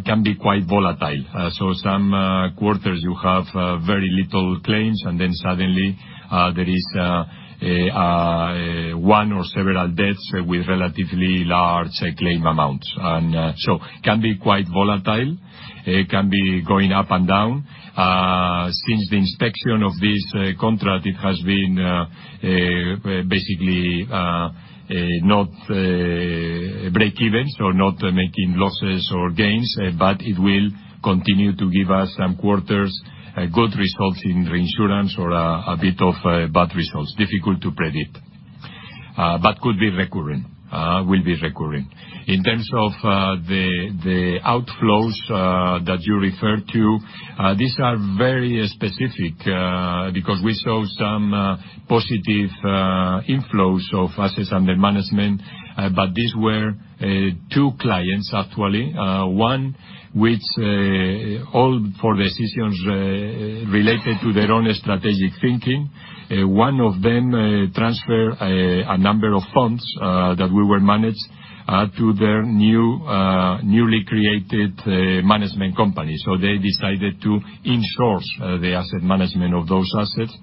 can be quite volatile. Some quarters you have very little claims, and then suddenly there is one or several deaths with relatively large claim amounts. Can be quite volatile. It can be going up and down. Since the inspection of this contract, it has been basically not break-even, so not making losses or gains. It will continue to give us some quarters good results in reinsurance or a bit of bad results. Difficult to predict. Could be recurring, will be recurring. In terms of the outflows that you referred to, these are very specific because we saw some positive inflows of assets under management, these were two clients, actually. One which all four decisions related to their own strategic thinking. One of them transferred a number of funds that we will manage to their newly created management company. They decided to in-source the asset management of those assets.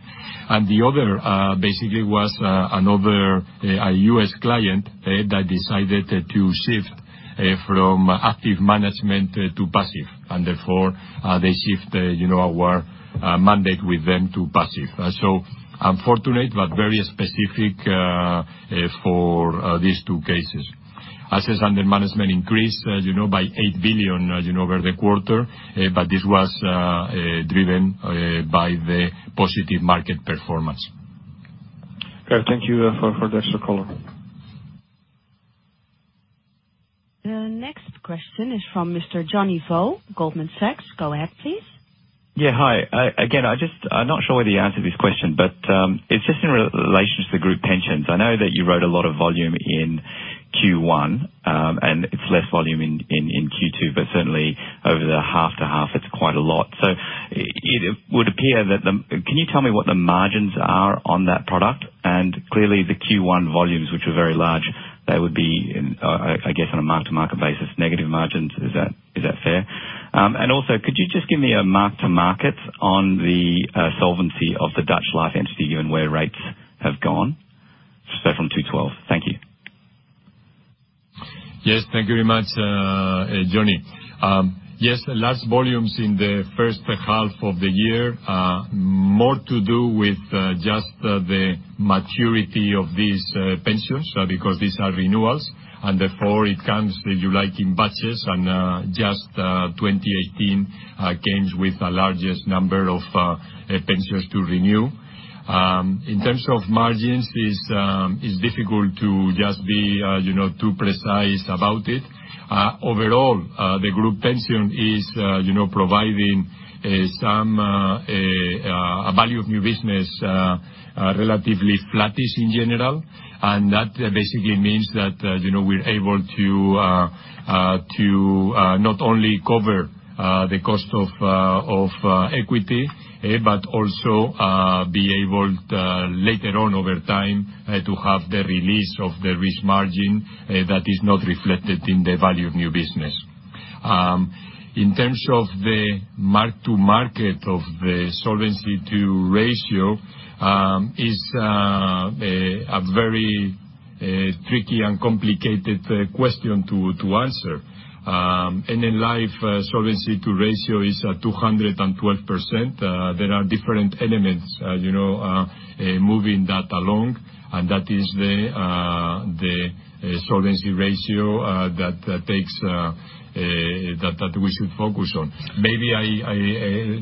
The other basically was another, a U.S. client that decided to shift from active management to passive, and therefore they shift our mandate with them to passive. Unfortunate, but very specific for these two cases. Assets under management increased by 8 billion over the quarter, but this was driven by the positive market performance.
Okay. Thank you for the extra color.
The next question is from Mr. Johnny Vo, Goldman Sachs. Go ahead, please.
Hi. I'm not sure whether you answered this question. It's just in relation to the group pensions. I know that you wrote a lot of volume in Q1. It's less volume in Q2. Certainly over the half to half it's quite a lot. Can you tell me what the margins are on that product? Clearly the Q1 volumes, which were very large, they would be, I guess, on a mark-to-market basis, negative margins. Is that fair? Could you just give me a mark to market on the solvency of the Netherlands Life entity, given where rates have gone, say, from 2012? Thank you.
Yes, thank you very much, Johnny. Yes, large volumes in the first half of the year. More to do with just the maturity of these pensions, because these are renewals, and therefore it comes, if you like, in batches, and just 2018 comes with the largest number of pensions to renew. In terms of margins, it's difficult to just be too precise about it. Overall, the group pension is providing some Value of New Business, relatively flattish in general, and that basically means that we're able to not only cover the cost of equity, but also be able to, later on over time, to have the release of the risk margin that is not reflected in the Value of New Business. In terms of the mark to market of the Solvency II ratio is a very tricky and complicated question to answer. NN Life Solvency II ratio is at 212%. There are different elements moving that along, that is the solvency ratio that we should focus on. Maybe,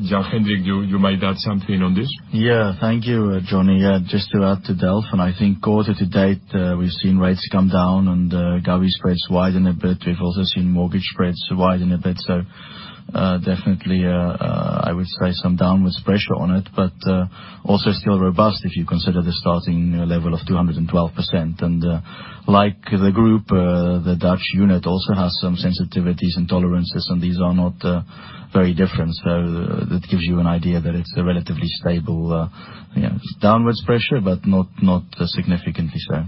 Jan-Hendrik, you might add something on this.
Thank you, Johnny. Just to add to Delfin, I think quarter to date, we've seen rates come down and govvie spreads widen a bit. We've also seen mortgage spreads widen a bit. Definitely, I would say some downwards pressure on it, but also still robust if you consider the starting level of 212%. Like the group, the Dutch unit also has some sensitivities and tolerances, and these are not very different. That gives you an idea that it's a relatively stable, downwards pressure, but not significantly so.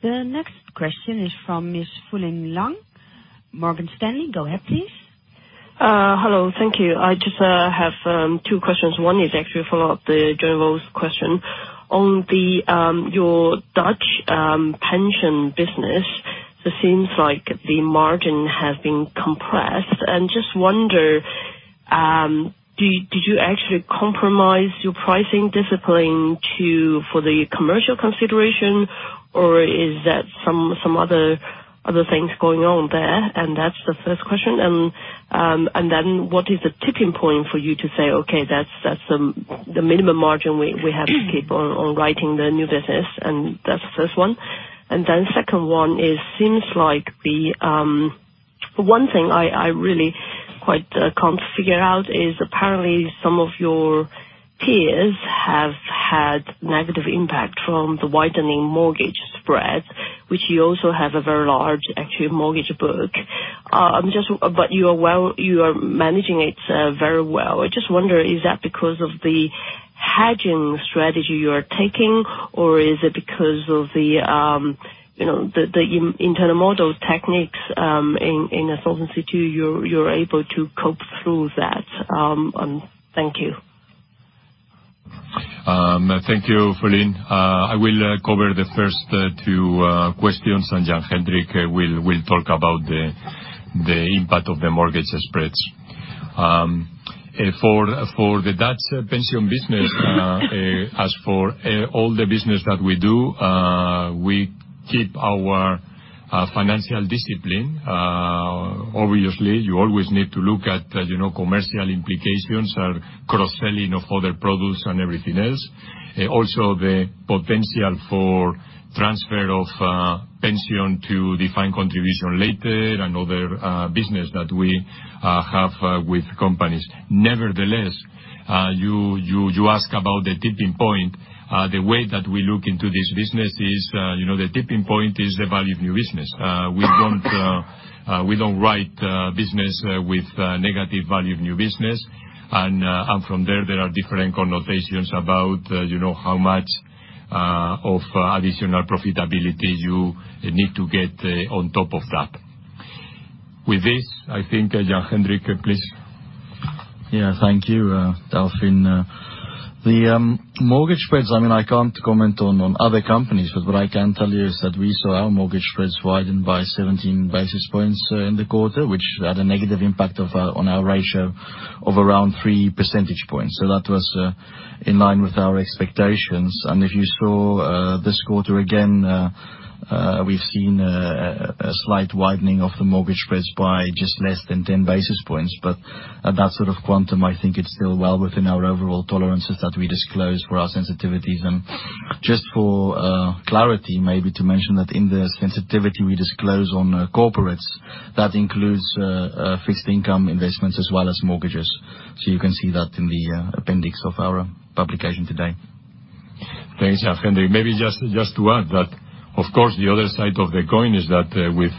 Okay. Thank you.
The next question is from Ms. Fulin Lang, Morgan Stanley. Go ahead, please.
Hello. Thank you. I just have two questions. One is actually a follow-up to Johnny Vo's question. On your Dutch pension business, it seems like the margin has been compressed. Just wonder, did you actually compromise your pricing discipline for the commercial consideration, or is that some other things going on there? That's the first question. What is the tipping point for you to say, "Okay, that's the minimum margin we have to keep on writing the new business"? That's the first one. Second one is, seems like the one thing I really quite can't figure out is apparently some of your peers have had negative impact from the widening mortgage spread, which you also have a very large actual mortgage book. You are managing it very well. I just wonder, is that because of the hedging strategy you are taking, or is it because of the internal model techniques in Solvency II, you're able to cope through that? Thank you.
Thank you, Fulin. I will cover the first two questions, and Jan-Hendrik will talk about the impact of the mortgage spreads. For the Dutch pension business, as for all the business that we do, we keep our financial discipline. Obviously, you always need to look at commercial implications or cross-selling of other products and everything else. The potential for transfer of pension to defined contribution later and other business that we have with companies. You ask about the tipping point. The way that we look into this business is, the tipping point is the Value of New Business. We don't write business with negative Value of New Business. From there are different connotations about how much of additional profitability you need to get on top of that. With this, I think Jan-Hendrik, please.
Thank you, Delfin. The mortgage spreads, I can't comment on other companies, but what I can tell you is that we saw our mortgage spreads widen by 17 basis points in the quarter, which had a negative impact on our ratio of around three percentage points. That was in line with our expectations. If you saw this quarter again, we've seen a slight widening of the mortgage spreads by just less than 10 basis points. At that sort of quantum, I think it's still well within our overall tolerances that we disclose for our sensitivities. Just for clarity, maybe to mention that in the sensitivity we disclose on corporates, that includes fixed income investments as well as mortgages. You can see that in the appendix of our publication today.
Thanks, Jan-Hendrik. Maybe just to add that, of course, the other side of the coin is that with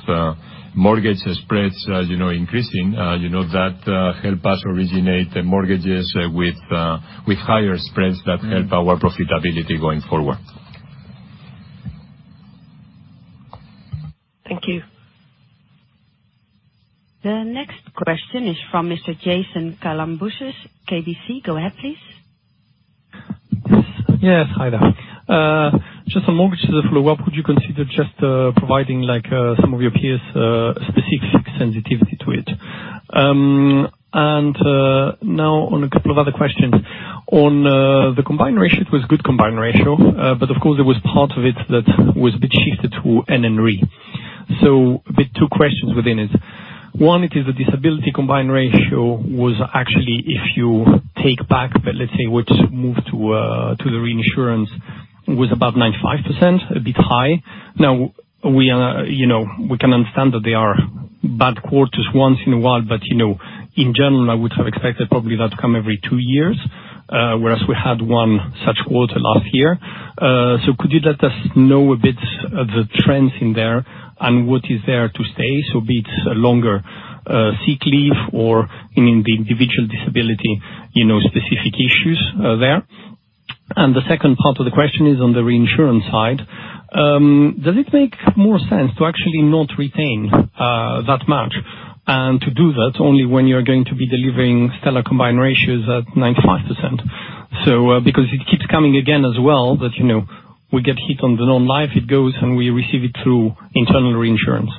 mortgage spreads increasing, that help us originate mortgages with higher spreads that help our profitability going forward.
Thank you. The next question is from Mr. Jason Kalamboussis, KBC. Go ahead, please.
Yes. Hi there. Just on mortgages, a follow-up, would you consider just providing some of your peers specific sensitivity to it? Now on 2 other questions. On the combined ratio, it was good combined ratio. Of course, there was part of it that was achieved through NN Re. With 2 questions within it. One is the disability combined ratio was actually, if you take back, let's say, what's moved to the reinsurance, was about 95%, a bit high. Now, we can understand that there are bad quarters once in a while, but, in general, I would have expected probably that come every 2 years, whereas we had one such quarter last year. Could you let us know a bit of the trends in there and what is there to stay, so be it longer sick leave or in the individual disability, specific issues there. The second part of the question is on the reinsurance side. Does it make more sense to actually not retain that much and to do that only when you're going to be delivering stellar combined ratios at 95%? It keeps coming again as well, that we get hit on the non-life, it goes, and we receive it through internal reinsurance.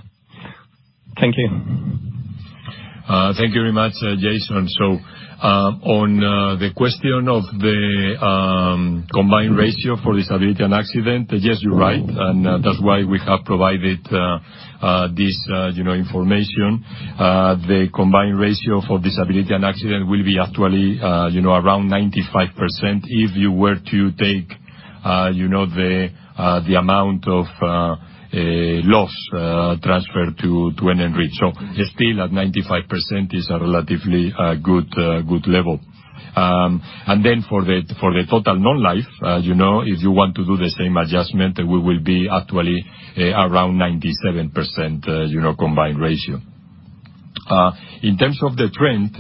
Thank you.
Thank you very much, Jason. On the question of the combined ratio for disability and accident, yes, you're right. That's why we have provided this information. The combined ratio for disability and accident will be actually around 95% if you were to take the amount of loss transferred to NN Re. Still at 95% is a relatively good level. Then for the total Non-life, if you want to do the same adjustment, we will be actually around 97% combined ratio. In terms of the trend,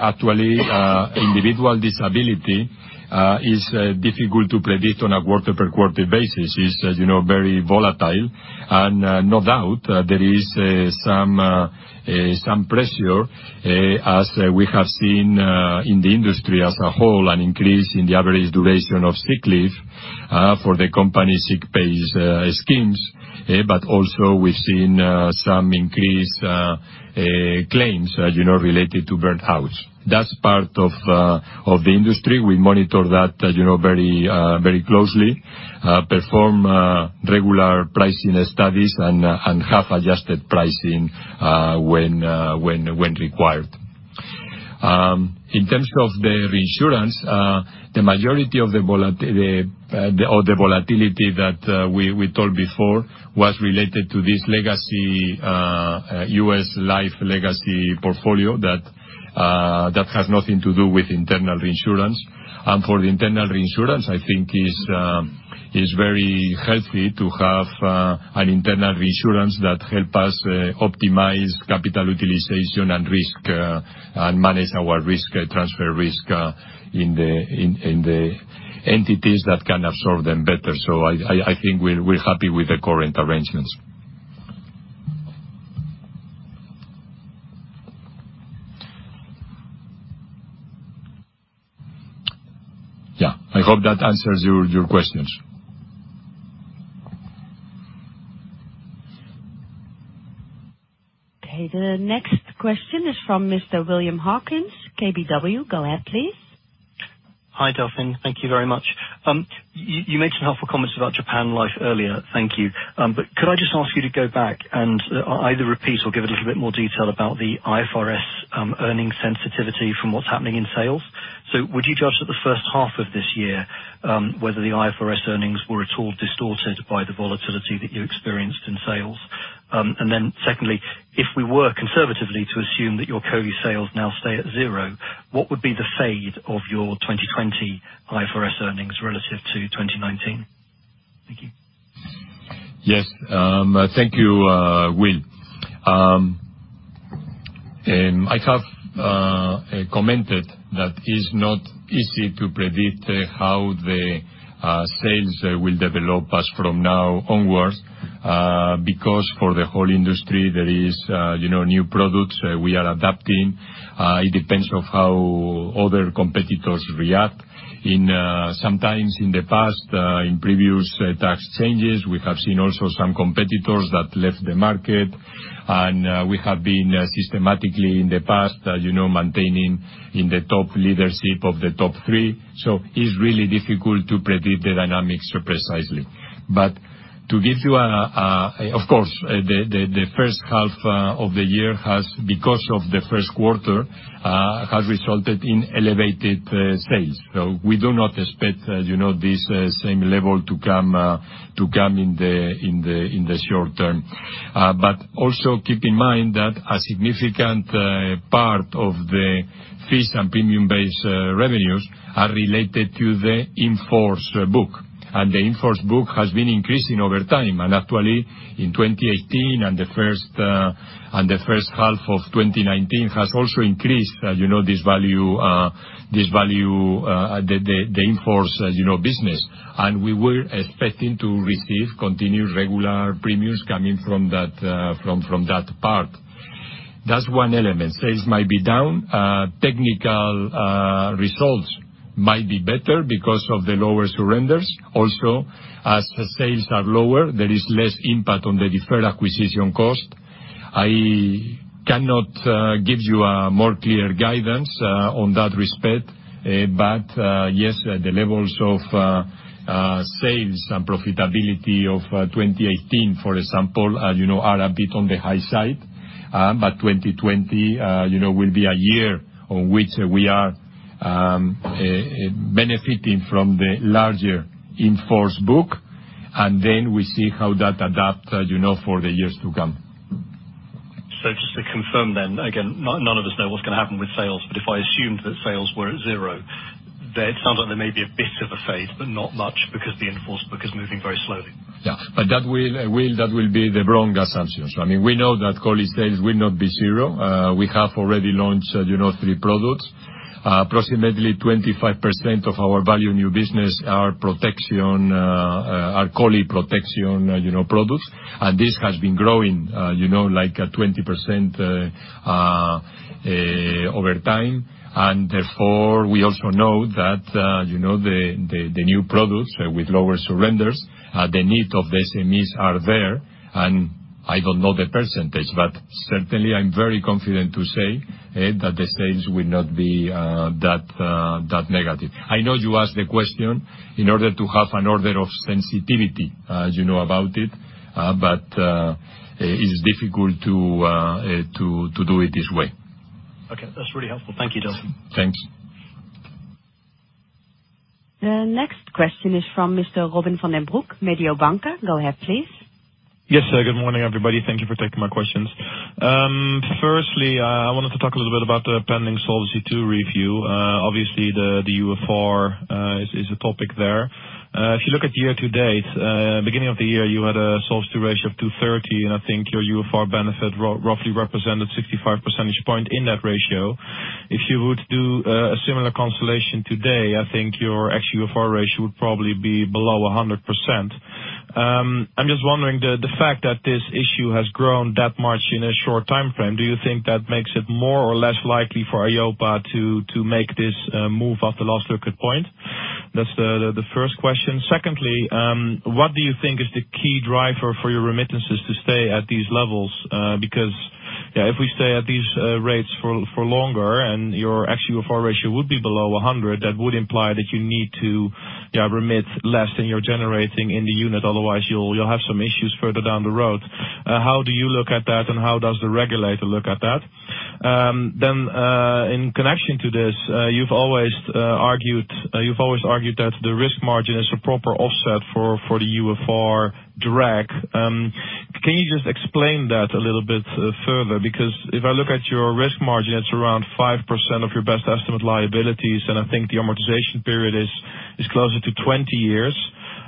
actually, individual disability is difficult to predict on a quarter per quarter basis. It's very volatile. No doubt, there is some pressure as we have seen in the industry as a whole, an increase in the average duration of sick leave for the company sick pay schemes. Also we've seen some increased claims related to burnouts. That's part of the industry. We monitor that very closely, perform regular pricing studies and have adjusted pricing when required. In terms of the reinsurance, the majority of the volatility that we told before was related to this legacy, U.S. life legacy portfolio that has nothing to do with internal reinsurance. For the internal reinsurance, I think it's very healthy to have an internal reinsurance that help us optimize capital utilization and manage our risk transfer risk in the entities that can absorb them better. I think we're happy with the current arrangements. Yeah, I hope that answers your questions.
Okay, the next question is from Mr. William Hawkins, KBW. Go ahead, please.
Hi, Delfin. Thank you very much. You made some helpful comments about Japan Life earlier. Thank you. Could I just ask you to go back and either repeat or give a little bit more detail about the IFRS earnings sensitivity from what's happening in sales? Would you judge that the first half of this year, whether the IFRS earnings were at all distorted by the volatility that you experienced in sales? Secondly, if we were conservatively to assume that your COLI sales now stay at 0, what would be the fade of your 2020 IFRS earnings relative to 2019? Thank you.
Yes. Thank you, Will. I have commented that it's not easy to predict how the sales will develop as from now onwards, because for the whole industry, there is new products we are adapting. It depends on how other competitors react. Sometimes in the past, in previous tax changes, we have seen also some competitors that left the market, and we have been systematically in the past, maintaining in the top leadership of the top three. It's really difficult to predict the dynamics precisely. Of course, the first half of the year, because of the first quarter, has resulted in elevated sales. We do not expect this same level to come in the short term. Also keep in mind that a significant part of the fees and premium-based revenues are related to the in-force book. The in-force book has been increasing over time. Actually, in 2018 and the first half of 2019 has also increased this value, the in-force business. We were expecting to receive continued regular premiums coming from that part. That's one element. Sales might be down. Technical results might be better because of the lower surrenders. Also, as sales are lower, there is less impact on the deferred acquisition cost. I cannot give you a more clear guidance on that respect. Yes, the levels of sales and profitability of 2018, for example, are a bit on the high side. 2020 will be a year on which we are benefiting from the larger in-force book, and then we see how that adapts for the years to come.
Just to confirm then, again, none of us know what's going to happen with sales, but if I assumed that sales were at zero, then it sounds like there may be a bit of a fade, but not much because the in-force book is moving very slowly.
That will be the wrong assumption. We know that COLI sales will not be zero. We have already launched three products. Approximately 25% of our Value of New Business are COLI protection products, and this has been growing at 20% over time. Therefore, we also know that the new products with lower surrenders, the need of the SMEs are there, and I don't know the percentage, but certainly, I'm very confident to say that the sales will not be that negative. I know you asked the question in order to have an order of sensitivity as you know about it, but it's difficult to do it this way.
Okay. That's really helpful. Thank you, Delfin.
Thanks.
The next question is from Mr. Robin van den Broek, Mediobanca. Go ahead, please.
Yes. Good morning, everybody. Thank you for taking my questions. Firstly, I wanted to talk a little bit about the pending Solvency II review. Obviously, the UFR is a topic there. If you look at year to date, beginning of the year, you had a Solvency ratio of 230, and I think your UFR benefit roughly represented 65 percentage point in that ratio. If you were to do a similar constellation today, I think your actual UFR ratio would probably be below 100%. I'm just wondering, the fact that this issue has grown that much in a short timeframe, do you think that makes it more or less likely for EIOPA to make this move at the last circuit point? That's the first question. Secondly, what do you think is the key driver for your remittances to stay at these levels? If we stay at these rates for longer and your actual UFR ratio would be below 100, that would imply that you need to remit less than you're generating in the unit, otherwise you'll have some issues further down the road. How do you look at that, and how does the regulator look at that? In connection to this, you've always argued that the risk margin is a proper offset for the UFR drag. Can you just explain that a little bit further? If I look at your risk margin, it's around 5% of your best estimate liabilities, and I think the amortization period is closer to 20 years,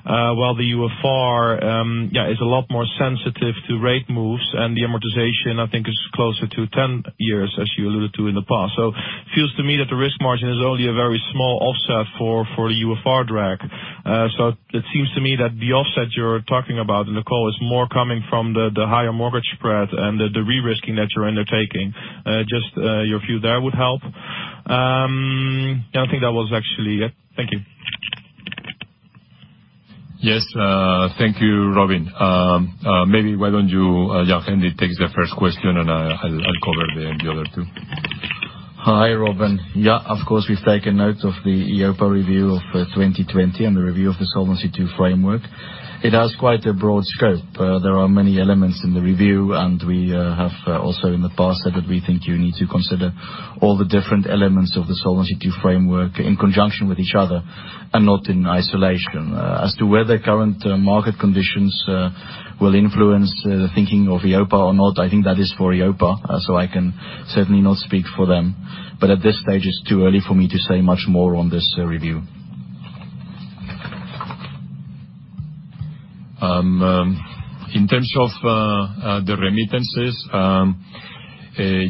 while the UFR is a lot more sensitive to rate moves and the amortization, I think, is closer to 10 years, as you alluded to in the past. It feels to me that the risk margin is only a very small offset for the UFR drag. It seems to me that the offset you're talking about in the call is more coming from the higher mortgage spread and the re-risking that you're undertaking. Just your view there would help. I think that was actually it. Thank you.
Yes. Thank you, Robin. Maybe why don't you, Jan-Hendrik, take the first question and I'll cover the other two.
Hi, Robin. Yeah, of course, we've taken note of the EIOPA review of 2020 and the review of the Solvency II framework. It has quite a broad scope. There are many elements in the review, and we have also in the past said that we think you need to consider all the different elements of the Solvency II framework in conjunction with each other and not in isolation. As to whether current market conditions will influence the thinking of EIOPA or not, I think that is for EIOPA, so I can certainly not speak for them. At this stage, it's too early for me to say much more on this review.
In terms of the remittances,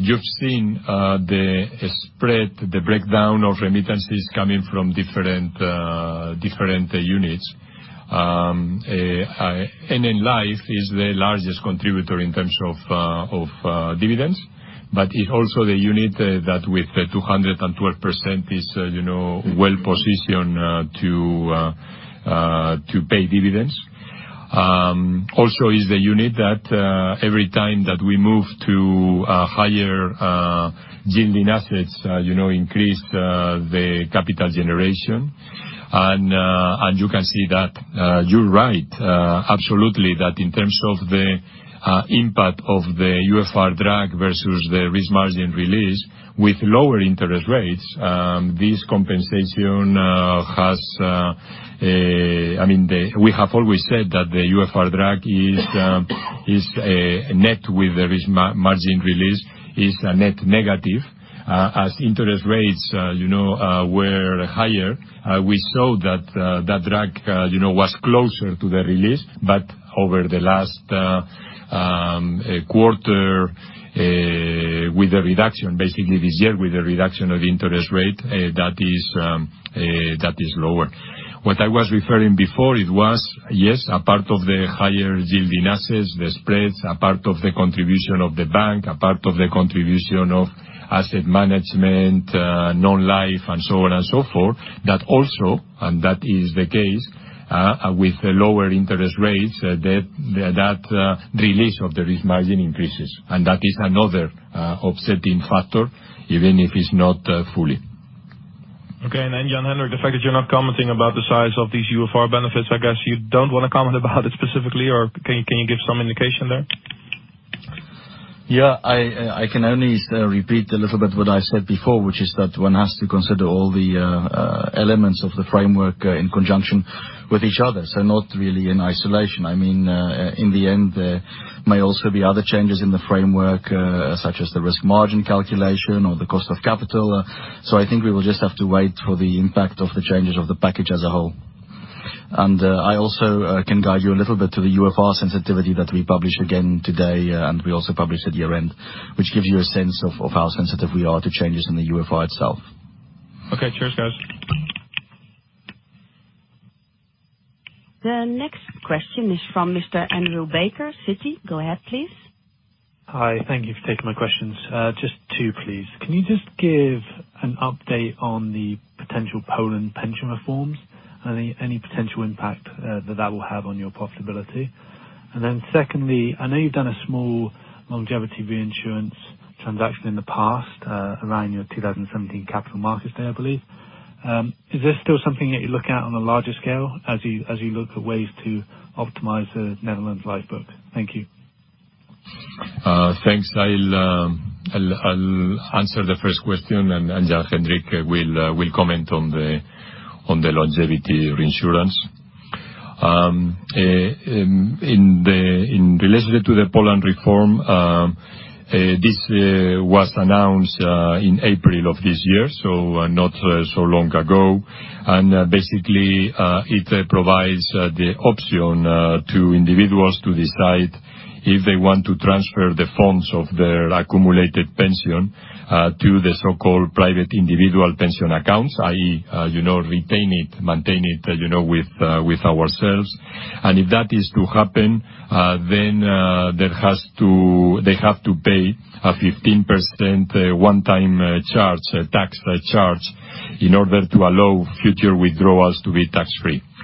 you've seen the spread, the breakdown of remittances coming from different units. NN Life is the largest contributor in terms of dividends, but it also the unit that with 212% is well positioned to pay dividends. Is the unit that every time that we move to higher yielding assets increase the capital generation. You can see that you're right, absolutely, that in terms of the impact of the UFR drag versus the risk margin release, with lower interest rates. We have always said that the UFR drag net with the risk margin release is a net negative. As interest rates were higher, we saw that drag was closer to the release. Over the last quarter, with the reduction, basically this year with the reduction of interest rate, that is lower. What I was referring before, it was, yes, a part of the higher yielding assets, the spreads, a part of the contribution of the bank, a part of the contribution of asset management, non-life, and so on and so forth. That also, and that is the case, with the lower interest rates, that release of the risk margin increases. That is another offsetting factor, even if it's not fully.
Jan-Hendrik, the fact that you're not commenting about the size of these UFR benefits, I guess you don't want to comment about it specifically or can you give some indication there?
Yeah, I can only repeat a little bit what I said before, which is that one has to consider all the elements of the framework in conjunction with each other, so not really in isolation. In the end, there may also be other changes in the framework, such as the risk margin calculation or the cost of capital. I think we will just have to wait for the impact of the changes of the package as a whole. I also can guide you a little bit to the UFR sensitivity that we publish again today, and we also publish at year-end, which gives you a sense of how sensitive we are to changes in the UFR itself.
Okay. Cheers, guys.
The next question is from Mr. Andrew Baker, Citi. Go ahead, please.
Hi. Thank you for taking my questions. Just two, please. Can you just give an update on the potential Poland pension reforms and any potential impact that that will have on your profitability? Secondly, I know you've done a small longevity reinsurance transaction in the past around your 2017 capital markets day, I believe. Is this still something that you look at on a larger scale as you look at ways to optimize the Netherlands Life book? Thank you.
Thanks. I'll answer the first question. Jan-Hendrik will comment on the longevity reinsurance. In relation to the Poland reform, this was announced in April of this year, so not so long ago. Basically, it provides the option to individuals to decide if they want to transfer the funds of their accumulated pension to the so-called private individual pension accounts, i.e., retain it, maintain it with ourselves. If that is to happen, they have to pay a 15% one-time charge, a tax charge, in order to allow future withdrawals to be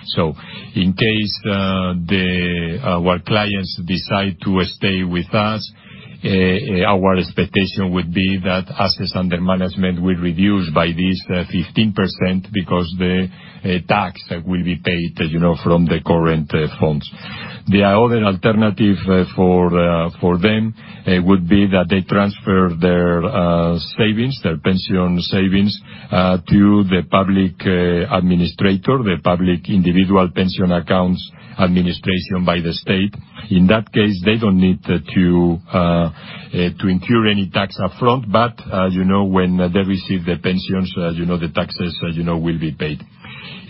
tax-free. In case our clients decide to stay with us, our expectation would be that assets under management will reduce by this 15% because the tax will be paid from the current funds. The other alternative for them would be that they transfer their savings, their pension savings, to the public administrator, the public individual pension accounts administration by the state. In that case, they don't need to incur any tax upfront, but when they receive the pensions, the taxes will be paid.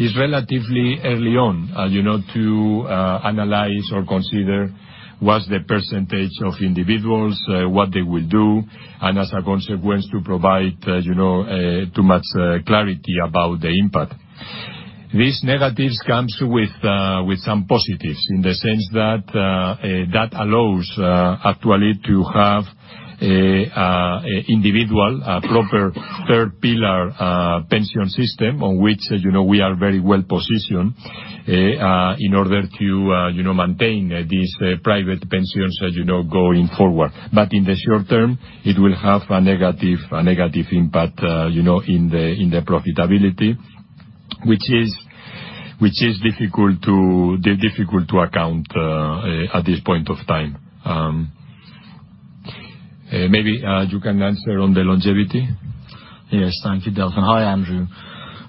It's relatively early on to analyze or consider what's the percentage of individuals, what they will do, and as a consequence, to provide too much clarity about the impact. These negatives come with some positives, in the sense that actually allows to have individual, proper third pillar pension system on which we are very well positioned in order to maintain these private pensions going forward. In the short term, it will have a negative impact in the profitability, which is difficult to account at this point of time. Maybe you can answer on the longevity.
Yes, thank you, Delfin. Hi, Andrew.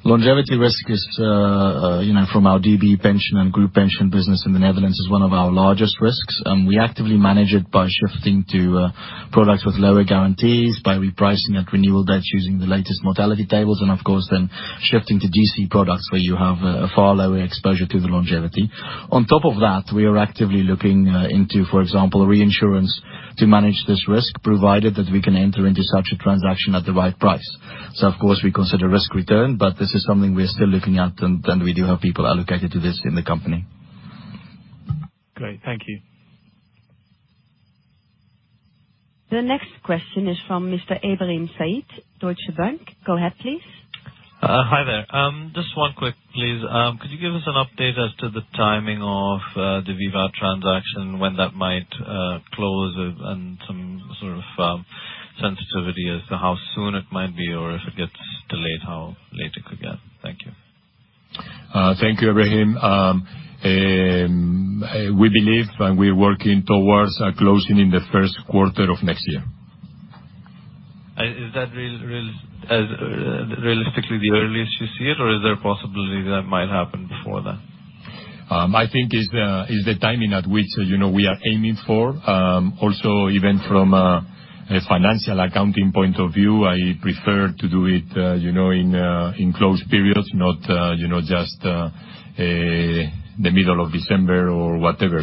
Longevity risk is, from our DB pension and group pension business in the Netherlands, is one of our largest risks. We actively manage it by shifting to products with lower guarantees, by repricing at renewal dates using the latest mortality tables, and of course then shifting to DC products, where you have a far lower exposure to the longevity. On top of that, we are actively looking into, for example, reinsurance to manage this risk, provided that we can enter into such a transaction at the right price. Of course, we consider risk return, but this is something we're still looking at, and we do have people allocated to this in the company.
Great. Thank you.
The next question is from Mr. Ibrahim Said, Deutsche Bank. Go ahead, please.
Hi there. Just one quick, please. Could you give us an update as to the timing of the VIVAT transaction, when that might close, and some sort of sensitivity as to how soon it might be, or if it gets delayed, how late it could get? Thank you.
Thank you, Ibrahim. We believe and we're working towards closing in the first quarter of next year.
Is that realistically the earliest you see it, or is there a possibility that it might happen before that?
I think it's the timing at which we are aiming for. Also, even from a financial accounting point of view, I prefer to do it in closed periods, not just the middle of December or whatever.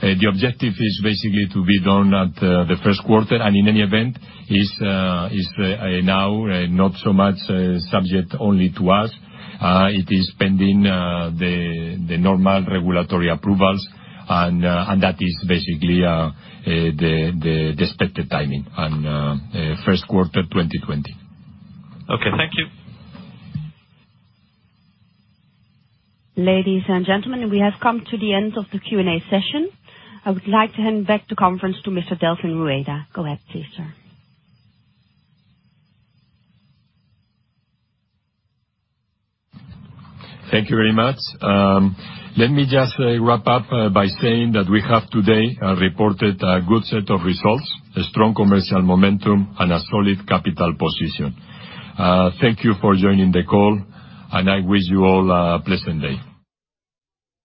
The objective is basically to be done at the first quarter. In any event, it's now not so much subject only to us. It is pending the normal regulatory approvals, and that is basically the expected timing, first quarter 2020.
Okay. Thank you.
Ladies and gentlemen, we have come to the end of the Q&A session. I would like to hand back the conference to Mr. Delfin Rueda. Go ahead please, sir.
Thank you very much. Let me just wrap up by saying that we have today reported a good set of results, a strong commercial momentum, and a solid capital position. Thank you for joining the call. I wish you all a pleasant day.